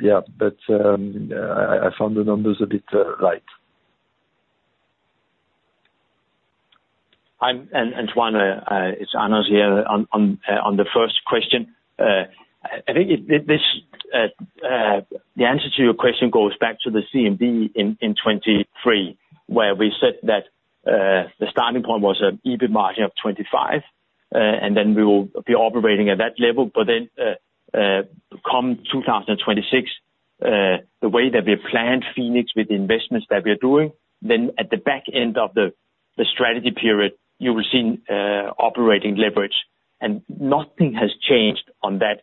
Yeah. But I found the numbers a bit light. And Antoine, it's Anders here on the first question. I think the answer to your question goes back to the CMD in 2023, where we said that the starting point was an EBIT margin of 25%, and then we will be operating at that level. But then come 2026, the way that we planned Phoenix with the investments that we are doing, then at the back end of the strategy period, you will see operating leverage. And nothing has changed on that.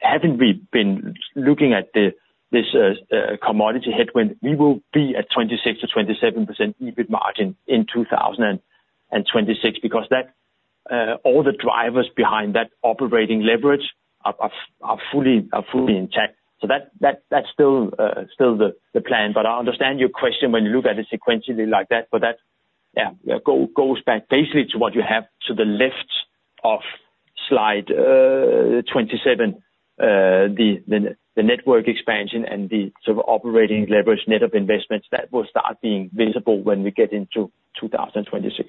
Haven't we been looking at this commodity headwind? We will be at 26%-27% EBIT margin in 2026 because all the drivers behind that operating leverage are fully intact. That's still the plan. But I understand your question when you look at it sequentially like that. But that, yeah, goes back basically to what you have to the left of slide 27, the network expansion and the sort of operating leverage net of investments that will start being visible when we get into 2026.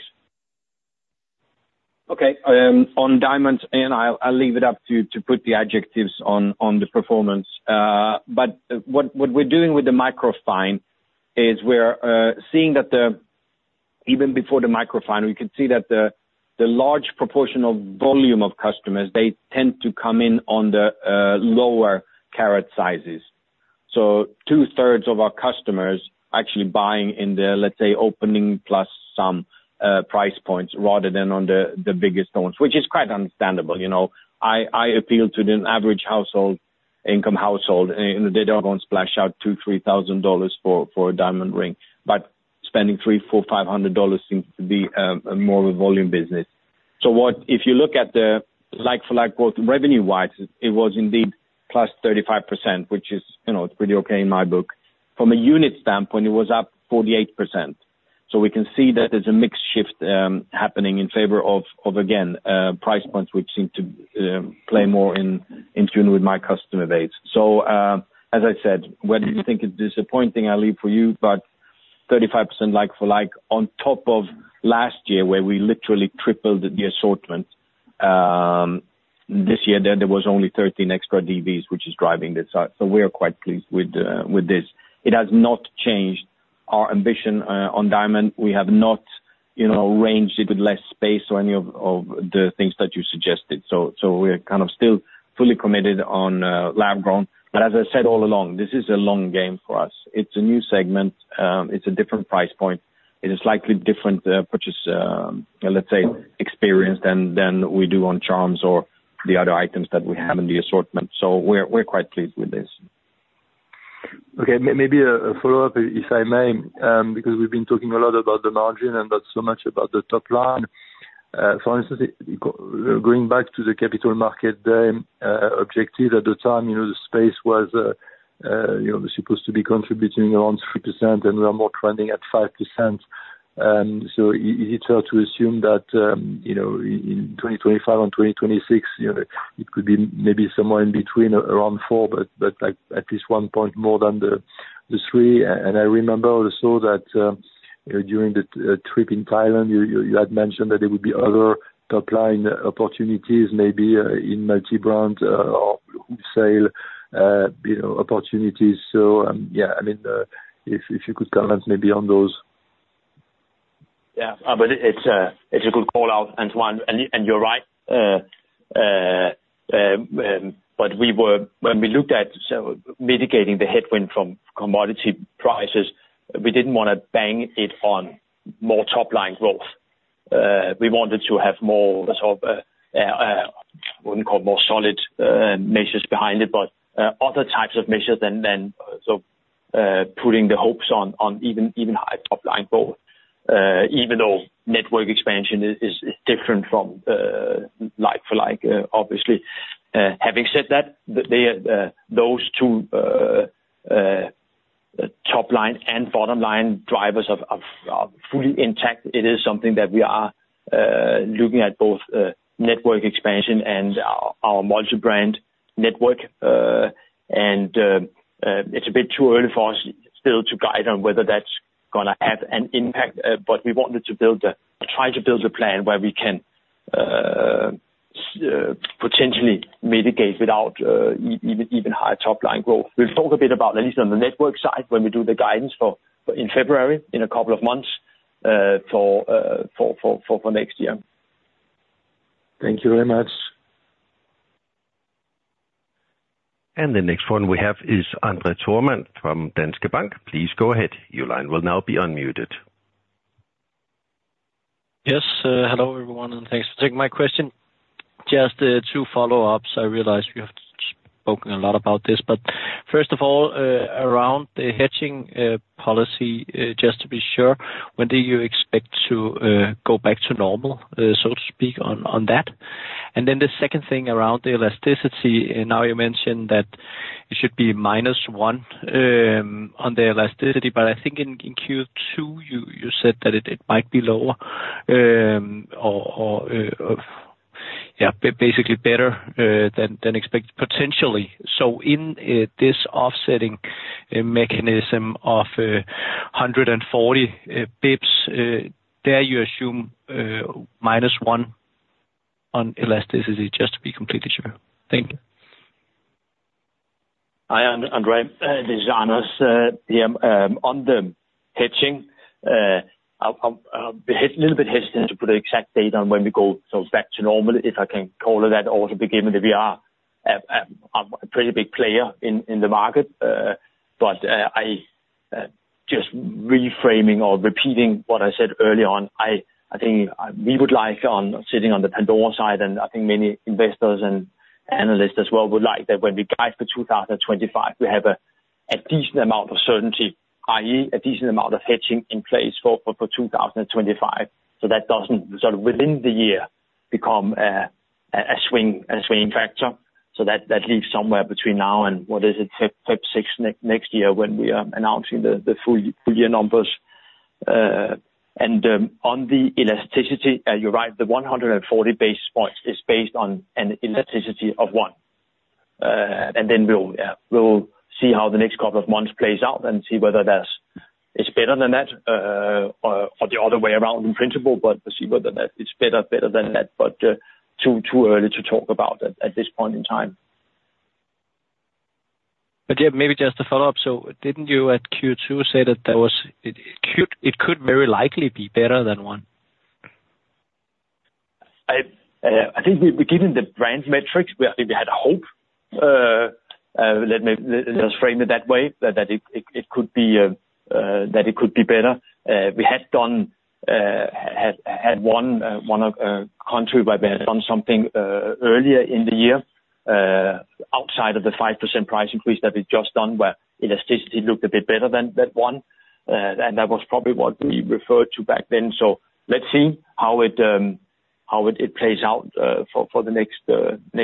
Okay. On diamonds, and I'll leave it up to put the adjectives on the performance. But what we're doing with the Micro Fine is we're seeing that even before the Micro Fine, we could see that the large proportion of volume of customers, they tend to come in on the lower carat sizes. So two-thirds of our customers actually buying in the, let's say, opening plus some price points rather than on the biggest ones, which is quite understandable. I appeal to the average household, income household, and they don't want to splash out $2,000-$3,000 for a diamond ring. But spending $300, $400, $500 seems to be a more volume business. So if you look at the like-for-like growth revenue-wise, it was indeed plus 35%, which is pretty okay in my book. From a unit standpoint, it was up 48%. So we can see that there's a mixed shift happening in favor of, again, price points which seem to play more in tune with my customer base. So as I said, whether you think it's disappointing, I'll leave for you. But 35% like-for-like on top of last year where we literally tripled the assortment. This year, there was only 13 extra DVs, which is driving this. So we are quite pleased with this. It has not changed our ambition on diamond. We have not ranged it with less space or any of the things that you suggested. So we're kind of still fully committed on lab grown. But as I said all along, this is a long game for us. It's a new segment. It's a different price point. It is slightly different purchase, let's say, experience than we do on charms or the other items that we have in the assortment. So we're quite pleased with this. Okay. Maybe a follow-up, if I may, because we've been talking a lot about the margin and not so much about the top line. For instance, going back to the capital market objective at the time, the space was supposed to be contributing around 3%, and we are more trending at 5%. So is it fair to assume that in 2025 and 2026, it could be maybe somewhere in between, around 4, but at least one point more than the 3? And I remember also that during the trip in Thailand, you had mentioned that there would be other top-line opportunities, maybe in multi-brand wholesale opportunities. So yeah, I mean, if you could comment maybe on those. Yeah. But it's a good call out, Antoine. And you're right. But when we looked at mitigating the headwind from commodity prices, we didn't want to bank it on more top-line growth. We wanted to have more sort of, I wouldn't call more solid measures behind it, but other types of measures than sort of putting the hopes on even higher top-line growth, even though network expansion is different from like-for-like, obviously. Having said that, those two top-line and bottom-line drivers are fully intact. It is something that we are looking at, both network expansion and our multi-brand network. And it's a bit too early for us still to guide on whether that's going to have an impact. But we wanted to build a plan where we can potentially mitigate without even higher top-line growth. We'll talk a bit about, at least on the network side, when we do the guidance in February in a couple of months for next year. Thank you very much. And the next one we have is André Thormann from Danske Bank. Please go ahead. Your line will now be unmuted. Yes. Hello, everyone, and thanks for taking my question. Just two follow-ups. I realize we have spoken a lot about this. But first of all, around the hedging policy, just to be sure, when do you expect to go back to normal, so to speak, on that? And then the second thing around the elasticity, now you mentioned that it should be minus one on the elasticity, but I think in Q2, you said that it might be lower or, yeah, basically better than expected, potentially. So in this offsetting mechanism of 140 basis points, there you assume minus one on elasticity, just to be completely sure. Thank you. Hi, André. This is Anders here. On the hedging, I'm a little bit hesitant to put an exact date on when we go back to normal, if I can call it that, also because we are a pretty big player in the market, but just reframing or repeating what I said early on, I think we would like on sitting on the Pandora side, and I think many investors and analysts as well would like that when we guide for 2025, we have a decent amount of certainty, i.e., a decent amount of hedging in place for 2025, so that doesn't sort of within the year become a swing factor, so that leaves somewhere between now and, what is it, February 6 next year when we are announcing the full year numbers, and on the elasticity, you're right, the 140 basis points is based on an elasticity of one. And then we'll see how the next couple of months plays out and see whether it's better than that or the other way around in principle, but we'll see whether it's better than that. But it's too early to talk about it at this point in time. But yeah, maybe just a follow-up. So didn't you at Q2 say that it could very likely be better than one? I think given the brand metrics, we had hope. Let's frame it that way, that it could be that it could be better. We had one country where we had done something earlier in the year outside of the 5% price increase that we've just done, where elasticity looked a bit better than that one. And that was probably what we referred to back then. So let's see how it plays out for the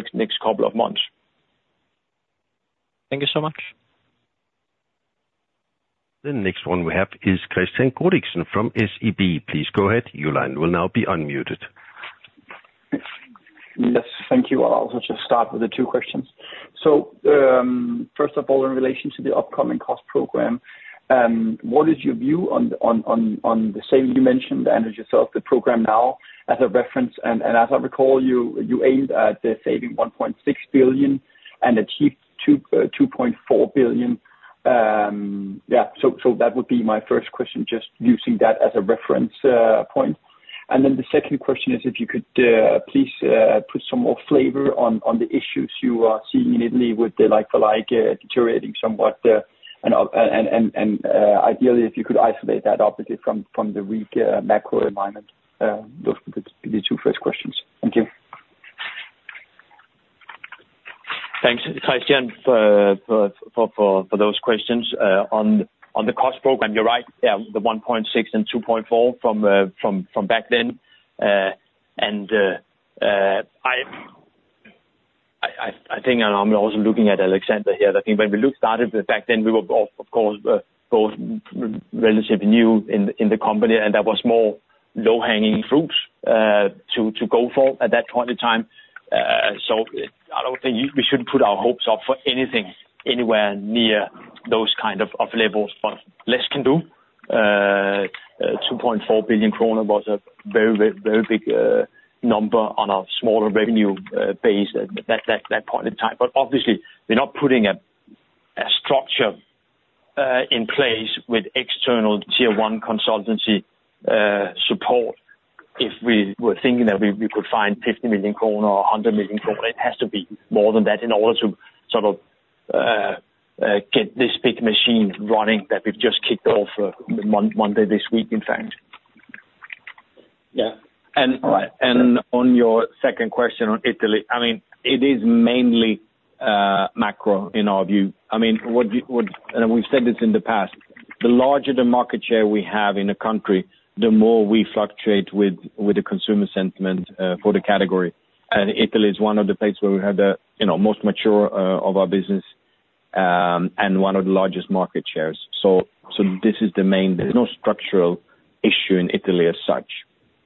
next couple of months. Thank you so much. The next one we have is Kristian Godiksen from SEB. Please go ahead. Your line will now be unmuted. Yes. Thank you. I'll also just start with the two questions. So first of all, in relation to the upcoming cost program, what is your view on the saving you mentioned and as yourself, the Programme NOW as a reference? And as I recall, you aimed at saving 1.6 billion and achieved 2.4 billion. Yeah. So that would be my first question, just using that as a reference point. And then the second question is if you could please put some more flavor on the issues you are seeing in Italy with the like-for-like deteriorating somewhat. And ideally, if you could isolate that, obviously, from the weak macro environment. Those would be the two first questions. Thank you. Thanks, Kristian, for those questions. On the cost program, you're right, yeah, the 1.6 and 2.4 from back then, and I think I'm also looking at Alexander here. I think when we started back then, we were, of course, both relatively new in the company, and that was more low-hanging fruit to go for at that point in time, so I don't think we should put our hopes up for anything anywhere near those kind of levels. But less can do. 2.4 billion kroner was a very, very big number on a smaller revenue base at that point in time, but obviously, we're not putting a structure in place with external tier-one consultancy support if we were thinking that we could find 50 million kroner or 100 million kroner. It has to be more than that in order to sort of get this big machine running that we've just kicked off Monday this week, in fact. Yeah. And on your second question on Italy, I mean, it is mainly macro in our view. I mean, and we've said this in the past, the larger the market share we have in a country, the more we fluctuate with the consumer sentiment for the category. And Italy is one of the places where we have the most mature of our business and one of the largest market shares. So this is the main. There's no structural issue in Italy as such,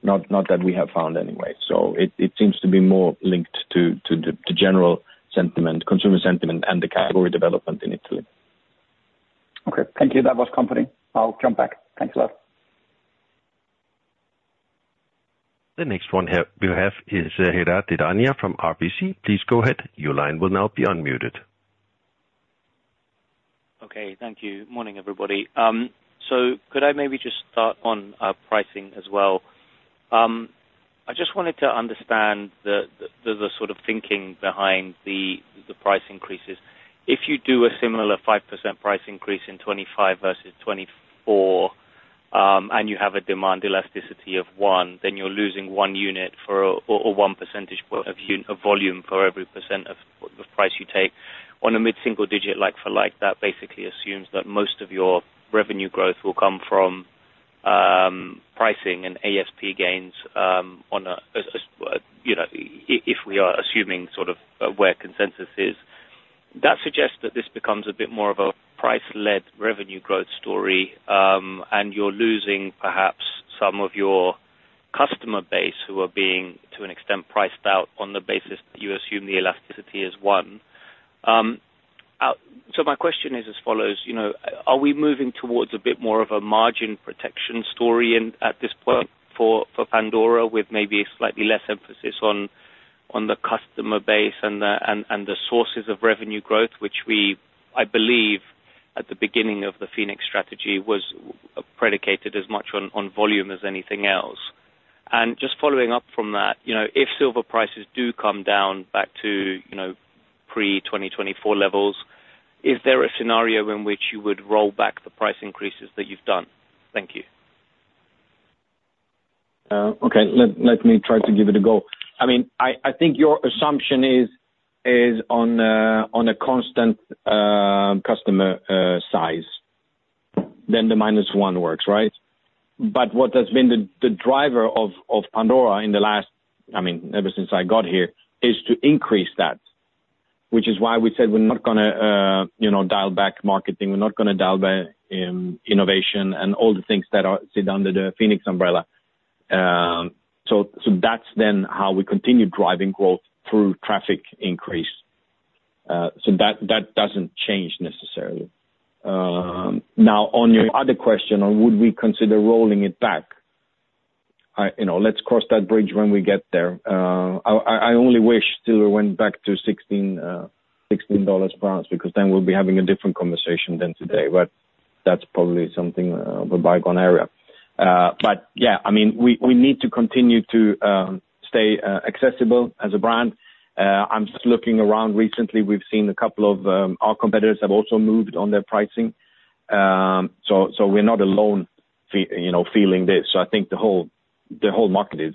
not that we have found anyway. So it seems to be more linked to the general sentiment, consumer sentiment, and the category development in Italy. Okay. Thank you. That was comforting. I'll jump back. Thanks a lot. The next one we have is Piral Dadhania from RBC. Please go ahead. Your line will now be unmuted. Okay. Thank you. Morning, everybody. So could I maybe just start on pricing as well? I just wanted to understand the sort of thinking behind the price increases. If you do a similar 5% price increase in 2025 versus 2024, and you have a demand elasticity of one, then you're losing one unit or one percentage point of volume for every percent of the price you take. On a mid-single-digit like-for-like, that basically assumes that most of your revenue growth will come from pricing and ASP gains on a if we are assuming sort of where consensus is. That suggests that this becomes a bit more of a price-led revenue growth story, and you're losing perhaps some of your customer base who are being, to an extent, priced out on the basis that you assume the elasticity is one. So my question is as follows: are we moving towards a bit more of a margin protection story at this point for Pandora with maybe a slightly less emphasis on the customer base and the sources of revenue growth, which we, I believe, at the beginning of the Phoenix strategy, was predicated as much on volume as anything else? And just following up from that, if silver prices do come down back to pre-2024 levels, is there a scenario in which you would roll back the price increases that you've done? Thank you. Okay. Let me try to give it a go. I mean, I think your assumption is on a constant customer size, then the minus one works, right? But what has been the driver of Pandora in the last, I mean, ever since I got here, is to increase that, which is why we said we're not going to dial back marketing. We're not going to dial back innovation and all the things that sit under the Phoenix umbrella. So that's then how we continue driving growth through traffic increase. So that doesn't change necessarily. Now, on your other question on would we consider rolling it back, let's cross that bridge when we get there. I only wish silver went back to $16 per ounce because then we'll be having a different conversation than today. But that's probably something of a bygone era. But yeah, I mean, we need to continue to stay accessible as a brand. I'm just looking around recently. We've seen a couple of our competitors have also moved on their pricing. So we're not alone feeling this. So I think the whole market is,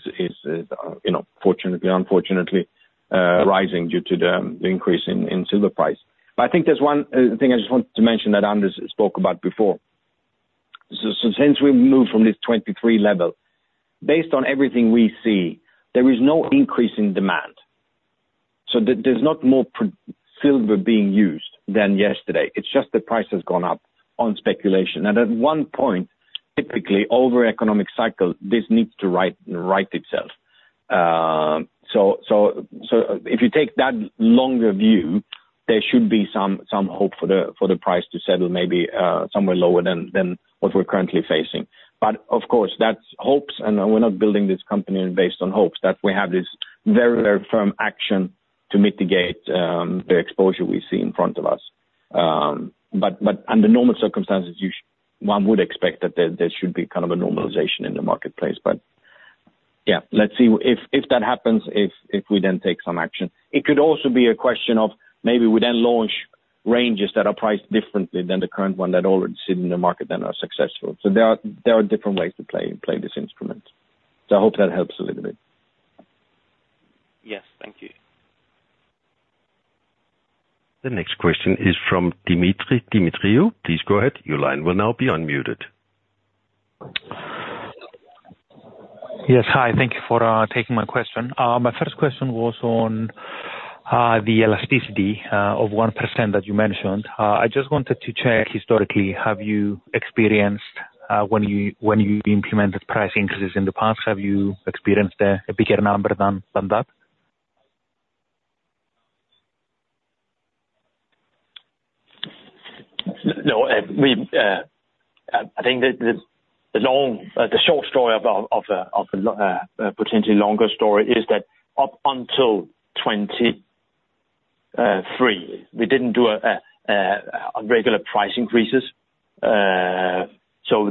fortunately or unfortunately, rising due to the increase in silver price. But I think there's one thing I just wanted to mention that Anders spoke about before. So since we moved from this 23 level, based on everything we see, there is no increase in demand. So there's not more silver being used than yesterday. It's just the price has gone up on speculation. And at one point, typically, over economic cycle, this needs to right itself. So if you take that longer view, there should be some hope for the price to settle maybe somewhere lower than what we're currently facing. But of course, that's hopes, and we're not building this company based on hopes that we have this very, very firm action to mitigate the exposure we see in front of us. But under normal circumstances, one would expect that there should be kind of a normalization in the marketplace. But yeah, let's see if that happens, if we then take some action. It could also be a question of maybe we then launch ranges that are priced differently than the current one that already sit in the market and are successful. So there are different ways to play this instrument. So I hope that helps a little bit. Yes. Thank you. The next question is from Dimitri Demetriou. Please go ahead. Your line will now be unmuted. Yes. Hi. Thank you for taking my question. My first question was on the elasticity of 1% that you mentioned. I just wanted to check historically, have you experienced when you implemented price increases in the past, have you experienced a bigger number than that? No. I think the short story of a potentially longer story is that up until 2023, we didn't do regular price increases. So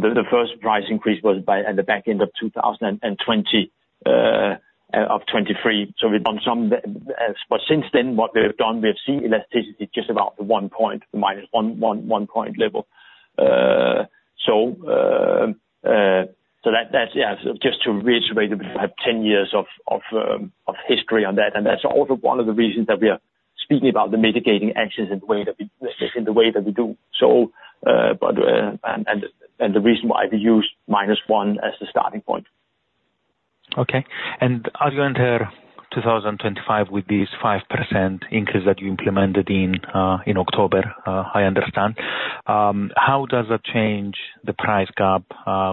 the first price increase was by the back end of 2023. But since then, what we've done, we've seen elasticity just about the one point, the minus one point level. So that's just to reiterate, we have 10 years of history on that, and that's also one of the reasons that we are speaking about the mitigating actions in the way that we do, but the reason why we use minus one as the starting point. Okay, and at the end here, 2025, with this 5% increase that you implemented in October, I understand. How does that change the price gap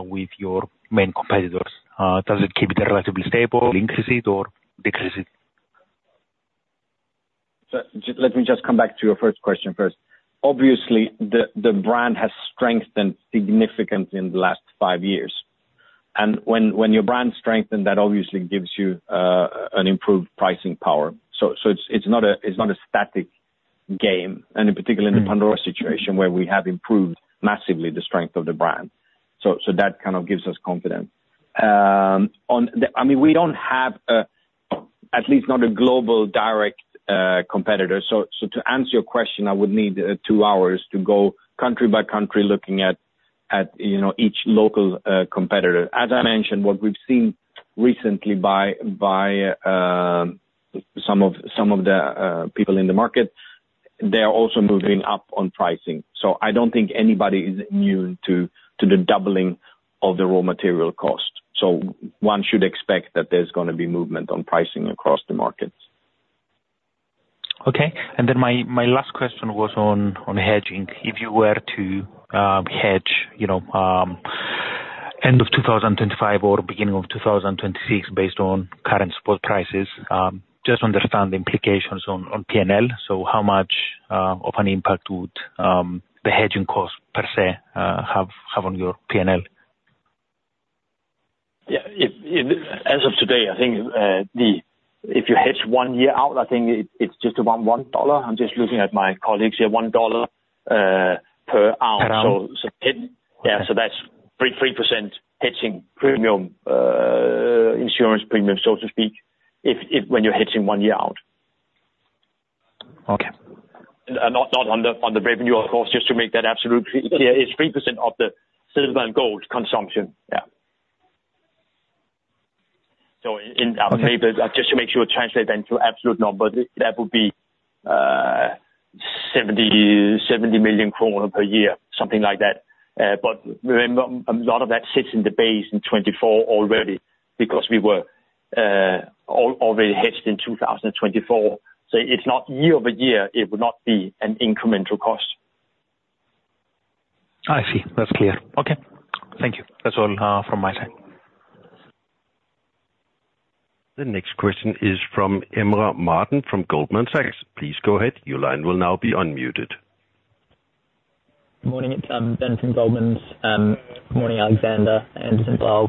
with your main competitors? Does it keep it relatively stable, increase it, or decrease it? Let me just come back to your first question first. Obviously, the brand has strengthened significantly in the last five years. And when your brand strengthens, that obviously gives you an improved pricing power. So it's not a static game, and in particular, in the Pandora situation where we have improved massively the strength of the brand. So that kind of gives us confidence. I mean, we don't have, at least not a global direct competitor. So to answer your question, I would need two hours to go country by country looking at each local competitor. As I mentioned, what we've seen recently by some of the people in the market, they are also moving up on pricing. I don't think anybody is immune to the doubling of the raw material cost. One should expect that there's going to be movement on pricing across the markets. Okay. My last question was on hedging. If you were to hedge end of 2025 or beginning of 2026 based on current spot prices, just understand the implications on P&L. How much of an impact would the hedging cost per se have on your P&L? Yeah. As of today, I think if you hedge one year out, I think it's just about $1. I'm just looking at my colleagues here. $1 per ounce. Yeah, that's 3% hedging premium, insurance premium, so to speak, when you're hedging one year out. Not on the revenue, of course, just to make that absolutely clear. It's 3% of the silver and gold consumption. Yeah. So just to make sure it translates into absolute numbers, that would be 70 million kroner per year, something like that. But a lot of that sits in the base in 2024 already because we were already hedged in 2024. So it's not year-over-year. It would not be an incremental cost. I see. That's clear. Okay. Thank you. That's all from my side. The next question is from Ben Rada Martin from Goldman Sachs. Please go ahead. Your line will now be unmuted. Good morning. It's Ben from Goldman's. Good morning, Alexander. And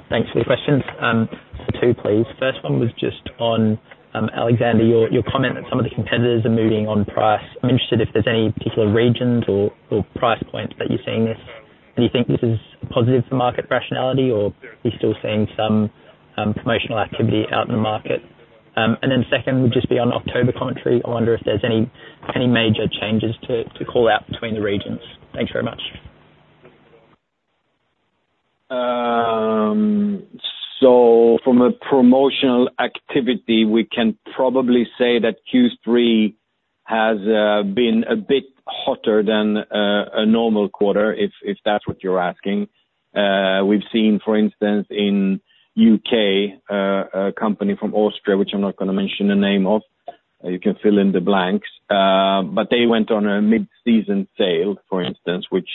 thanks for your questions. So two, please. First one was just on Alexander, your comment that some of the competitors are moving on price. I'm interested if there's any particular regions or price points that you're seeing this. Do you think this is positive for market rationality, or are you still seeing some promotional activity out in the market? And then second would just be on October commentary. I wonder if there's any major changes to call out between the regions. Thanks very much. So from a promotional activity, we can probably say that Q3 has been a bit hotter than a normal quarter, if that's what you're asking. We've seen, for instance, in the U.K., a company from Austria, which I'm not going to mention the name of. You can fill in the blanks. But they went on a mid-season sale, for instance, which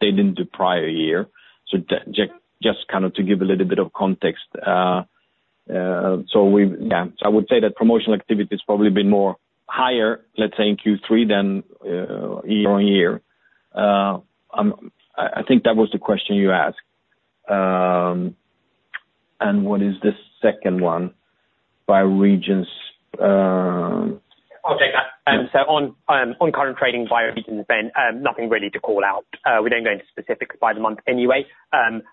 they didn't do prior year. So just kind of to give a little bit of context. So yeah, I would say that promotional activity has probably been higher, let's say, in Q3 than year on year. I think that was the question you asked. And what is the second one by regions? Okay. On current trading by regions, Ben, nothing really to call out. We don't go into specifics by the month anyway.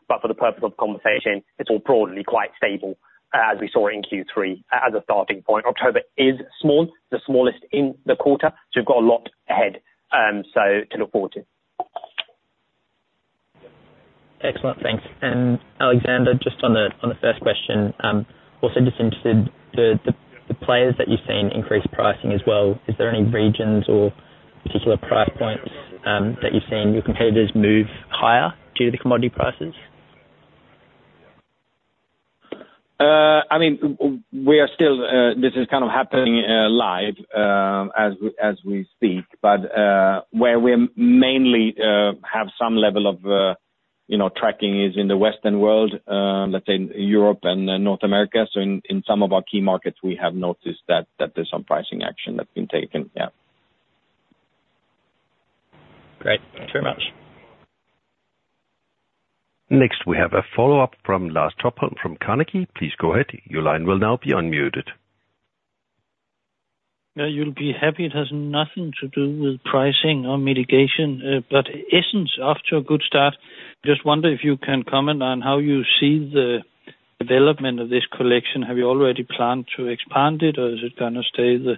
But for the purpose of conversation, it's all broadly quite stable as we saw it in Q3 as a starting point. October is small, the smallest in the quarter. So we've got a lot ahead to look forward to. Excellent. Thanks. And Alexander, just on the first question, also just interested, the players that you've seen increase pricing as well. Is there any regions or particular price points that you've seen your competitors move higher due to the commodity prices? I mean, we are still this is kind of happening live as we speak. But where we mainly have some level of tracking is in the Western world, let's say, Europe and North America. So in some of our key markets, we have noticed that there's some pricing action that's been taken. Yeah. Great. Thank you very much. Next, we have a follow-up from Lars Topholm from Carnegie. Please go ahead. Your line will now be unmuted. Yeah. You'll be happy. It has nothing to do with pricing or mitigation, but Essence after a good start. Just wonder if you can comment on how you see the development of this collection. Have you already planned to expand it, or is it going to stay the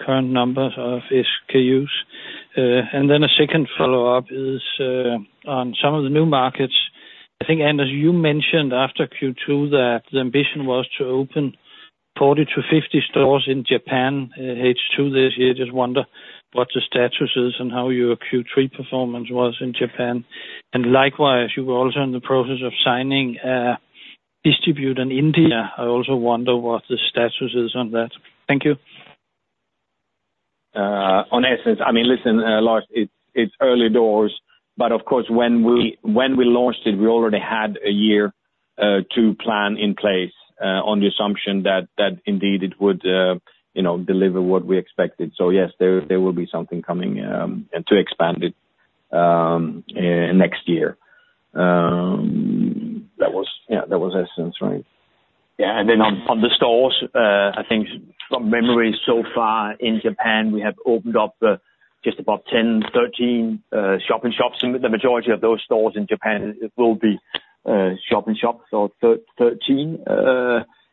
current numbers of SKUs? And then a second follow-up is on some of the new markets. I think, Anders, you mentioned after Q2 that the ambition was to open 40-50 stores in Japan, H2 this year. Just wonder what the status is and how your Q3 performance was in Japan. And likewise, you were also in the process of signing a distribution in India. I also wonder what the status is on that. Thank you. On Essence, I mean, listen, it's early doors. But of course, when we launched it, we already had a year to plan in place on the assumption that indeed it would deliver what we expected. So yes, there will be something coming to expand it next year. Yeah, that was Essence, right? Yeah. And then on the stores, I think from memory so far in Japan, we have opened up just about 10-13 shop-in-shops. The majority of those stores in Japan will be shop-in-shop, or 13.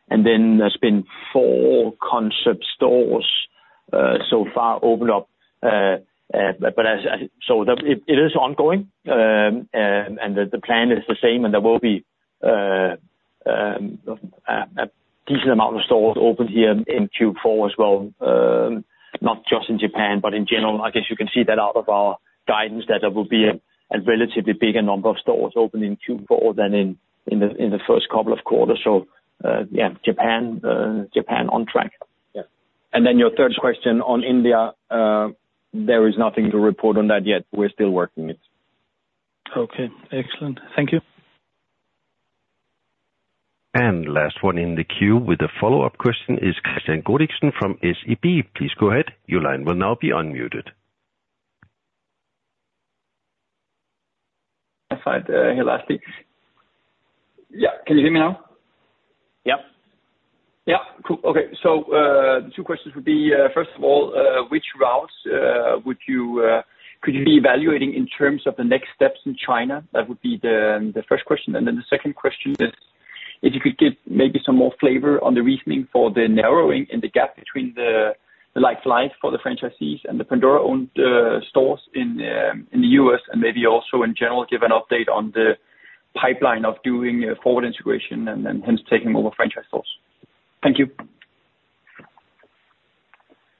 And then there's been four concept stores so far opened up. So it is ongoing, and the plan is the same. And there will be a decent amount of stores opened here in Q4 as well, not just in Japan, but in general. I guess you can see that out of our guidance that there will be a relatively bigger number of stores opening in Q4 than in the first couple of quarters. So yeah, Japan on track. Yeah. And then your third question on India, there is nothing to report on that yet. We're still working it. Okay. Excellent. Thank you. And last one in the queue with a follow-up question is Kristian Godiksen from SEB. Please go ahead. Your line will now be unmuted. I'm sorry. Here lastly. Yeah. Can you hear me now? Yep. Yeah. Cool. Okay. So the two questions would be, first of all, which routes could you be evaluating in terms of the next steps in China? That would be the first question. Then the second question is, if you could get maybe some more flavor on the reasoning for the narrowing and the gap between the like-for-like for the franchisees and the Pandora-owned stores in the U.S., and maybe also in general, give an update on the pipeline of doing forward integration and then hence taking over franchise stores. Thank you.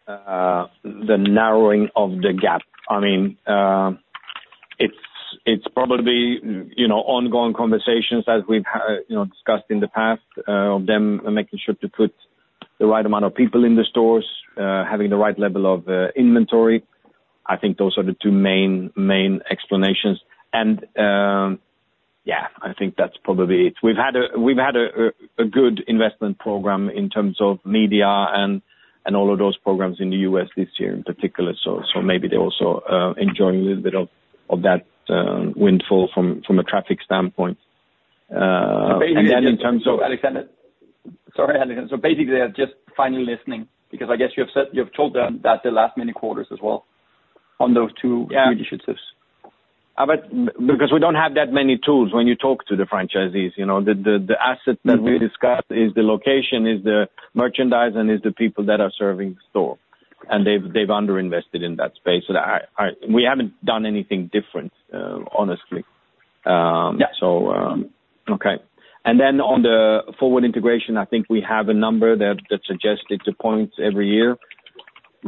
The narrowing of the gap. I mean, it's probably ongoing conversations that we've discussed in the past of them making sure to put the right amount of people in the stores, having the right level of inventory. I think those are the two main explanations. And yeah, I think that's probably it. We've had a good investment program in terms of media and all of those programs in the U.S. this year in particular. So maybe they're also enjoying a little bit of that windfall from a traffic standpoint. Sorry, Alexander. So basically, they're just finally listening because I guess you've told them that the last many quarters as well on those two initiatives. Because we don't have that many tools when you talk to the franchisees. The asset that we discuss is the location, is the merchandise, and is the people that are serving the store, and they've underinvested in that space, so we haven't done anything different, honestly. So, okay. And then on the forward integration, I think we have a number that's suggested two points every year,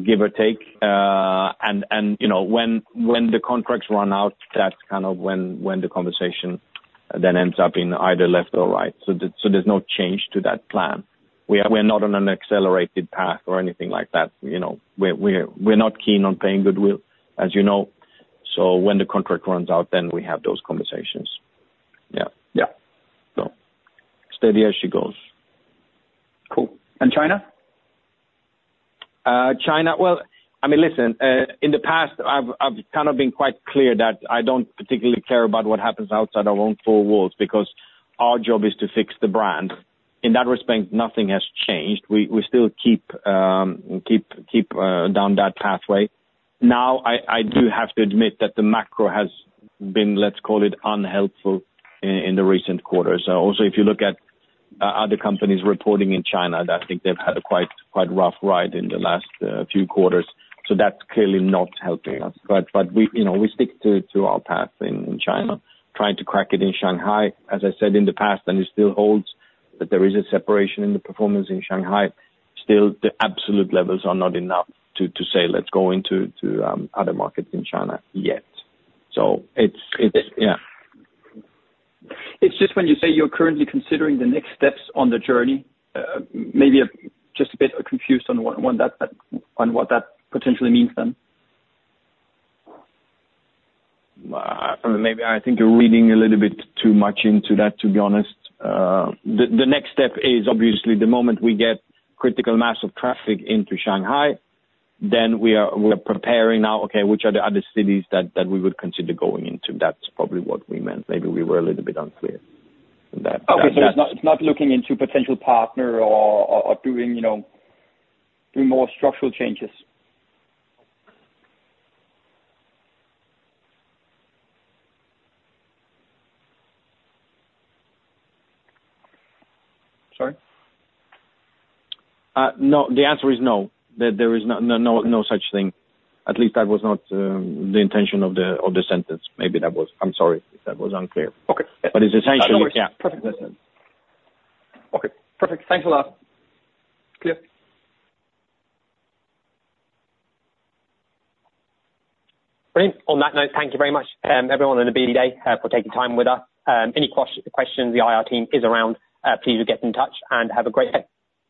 give or take. And when the contracts run out, that's kind of when the conversation then ends up in either left or right. So there's no change to that plan. We're not on an accelerated path or anything like that. We're not keen on paying goodwill, as you know. When the contract runs out, then we have those conversations. Yeah. Steady as she goes. Cool. And China? China, well, I mean, in the past, I've kind of been quite clear that I don't particularly care about what happens outside our own four walls because our job is to fix the brand. In that respect, nothing has changed. We still keep down that pathway. Now, I do have to admit that the macro has been, let's call it, unhelpful in the recent quarters. Also, if you look at other companies reporting in China, I think they've had a quite rough ride in the last few quarters. So that's clearly not helping us. But we stick to our path in China, trying to crack it in Shanghai, as I said in the past, and it still holds that there is a separation in the performance in Shanghai. Still, the absolute levels are not enough to say, "Let's go into other markets in China yet," so yeah. It's just when you say you're currently considering the next steps on the journey, maybe just a bit confused on what that potentially means then. Maybe I think you're reading a little bit too much into that, to be honest. The next step is obviously the moment we get critical mass of traffic into Shanghai, then we are preparing now, okay, which are the other cities that we would consider going into. That's probably what we meant. Maybe we were a little bit unclear on that. Okay, so it's not looking into potential partner or doing more structural changes. Sorry? No, the answer is no. There is no such thing. At least that was not the intention of the sentence. Maybe that was. I'm sorry if that was unclear, but it's essentially, yeah. Perfect. Okay. Perfect. Thanks a lot. Clear. Brilliant. Well, thank you very much, everyone, and a busy day for taking time with us. Any questions? The IR team is around. Please do get in touch and have a great day.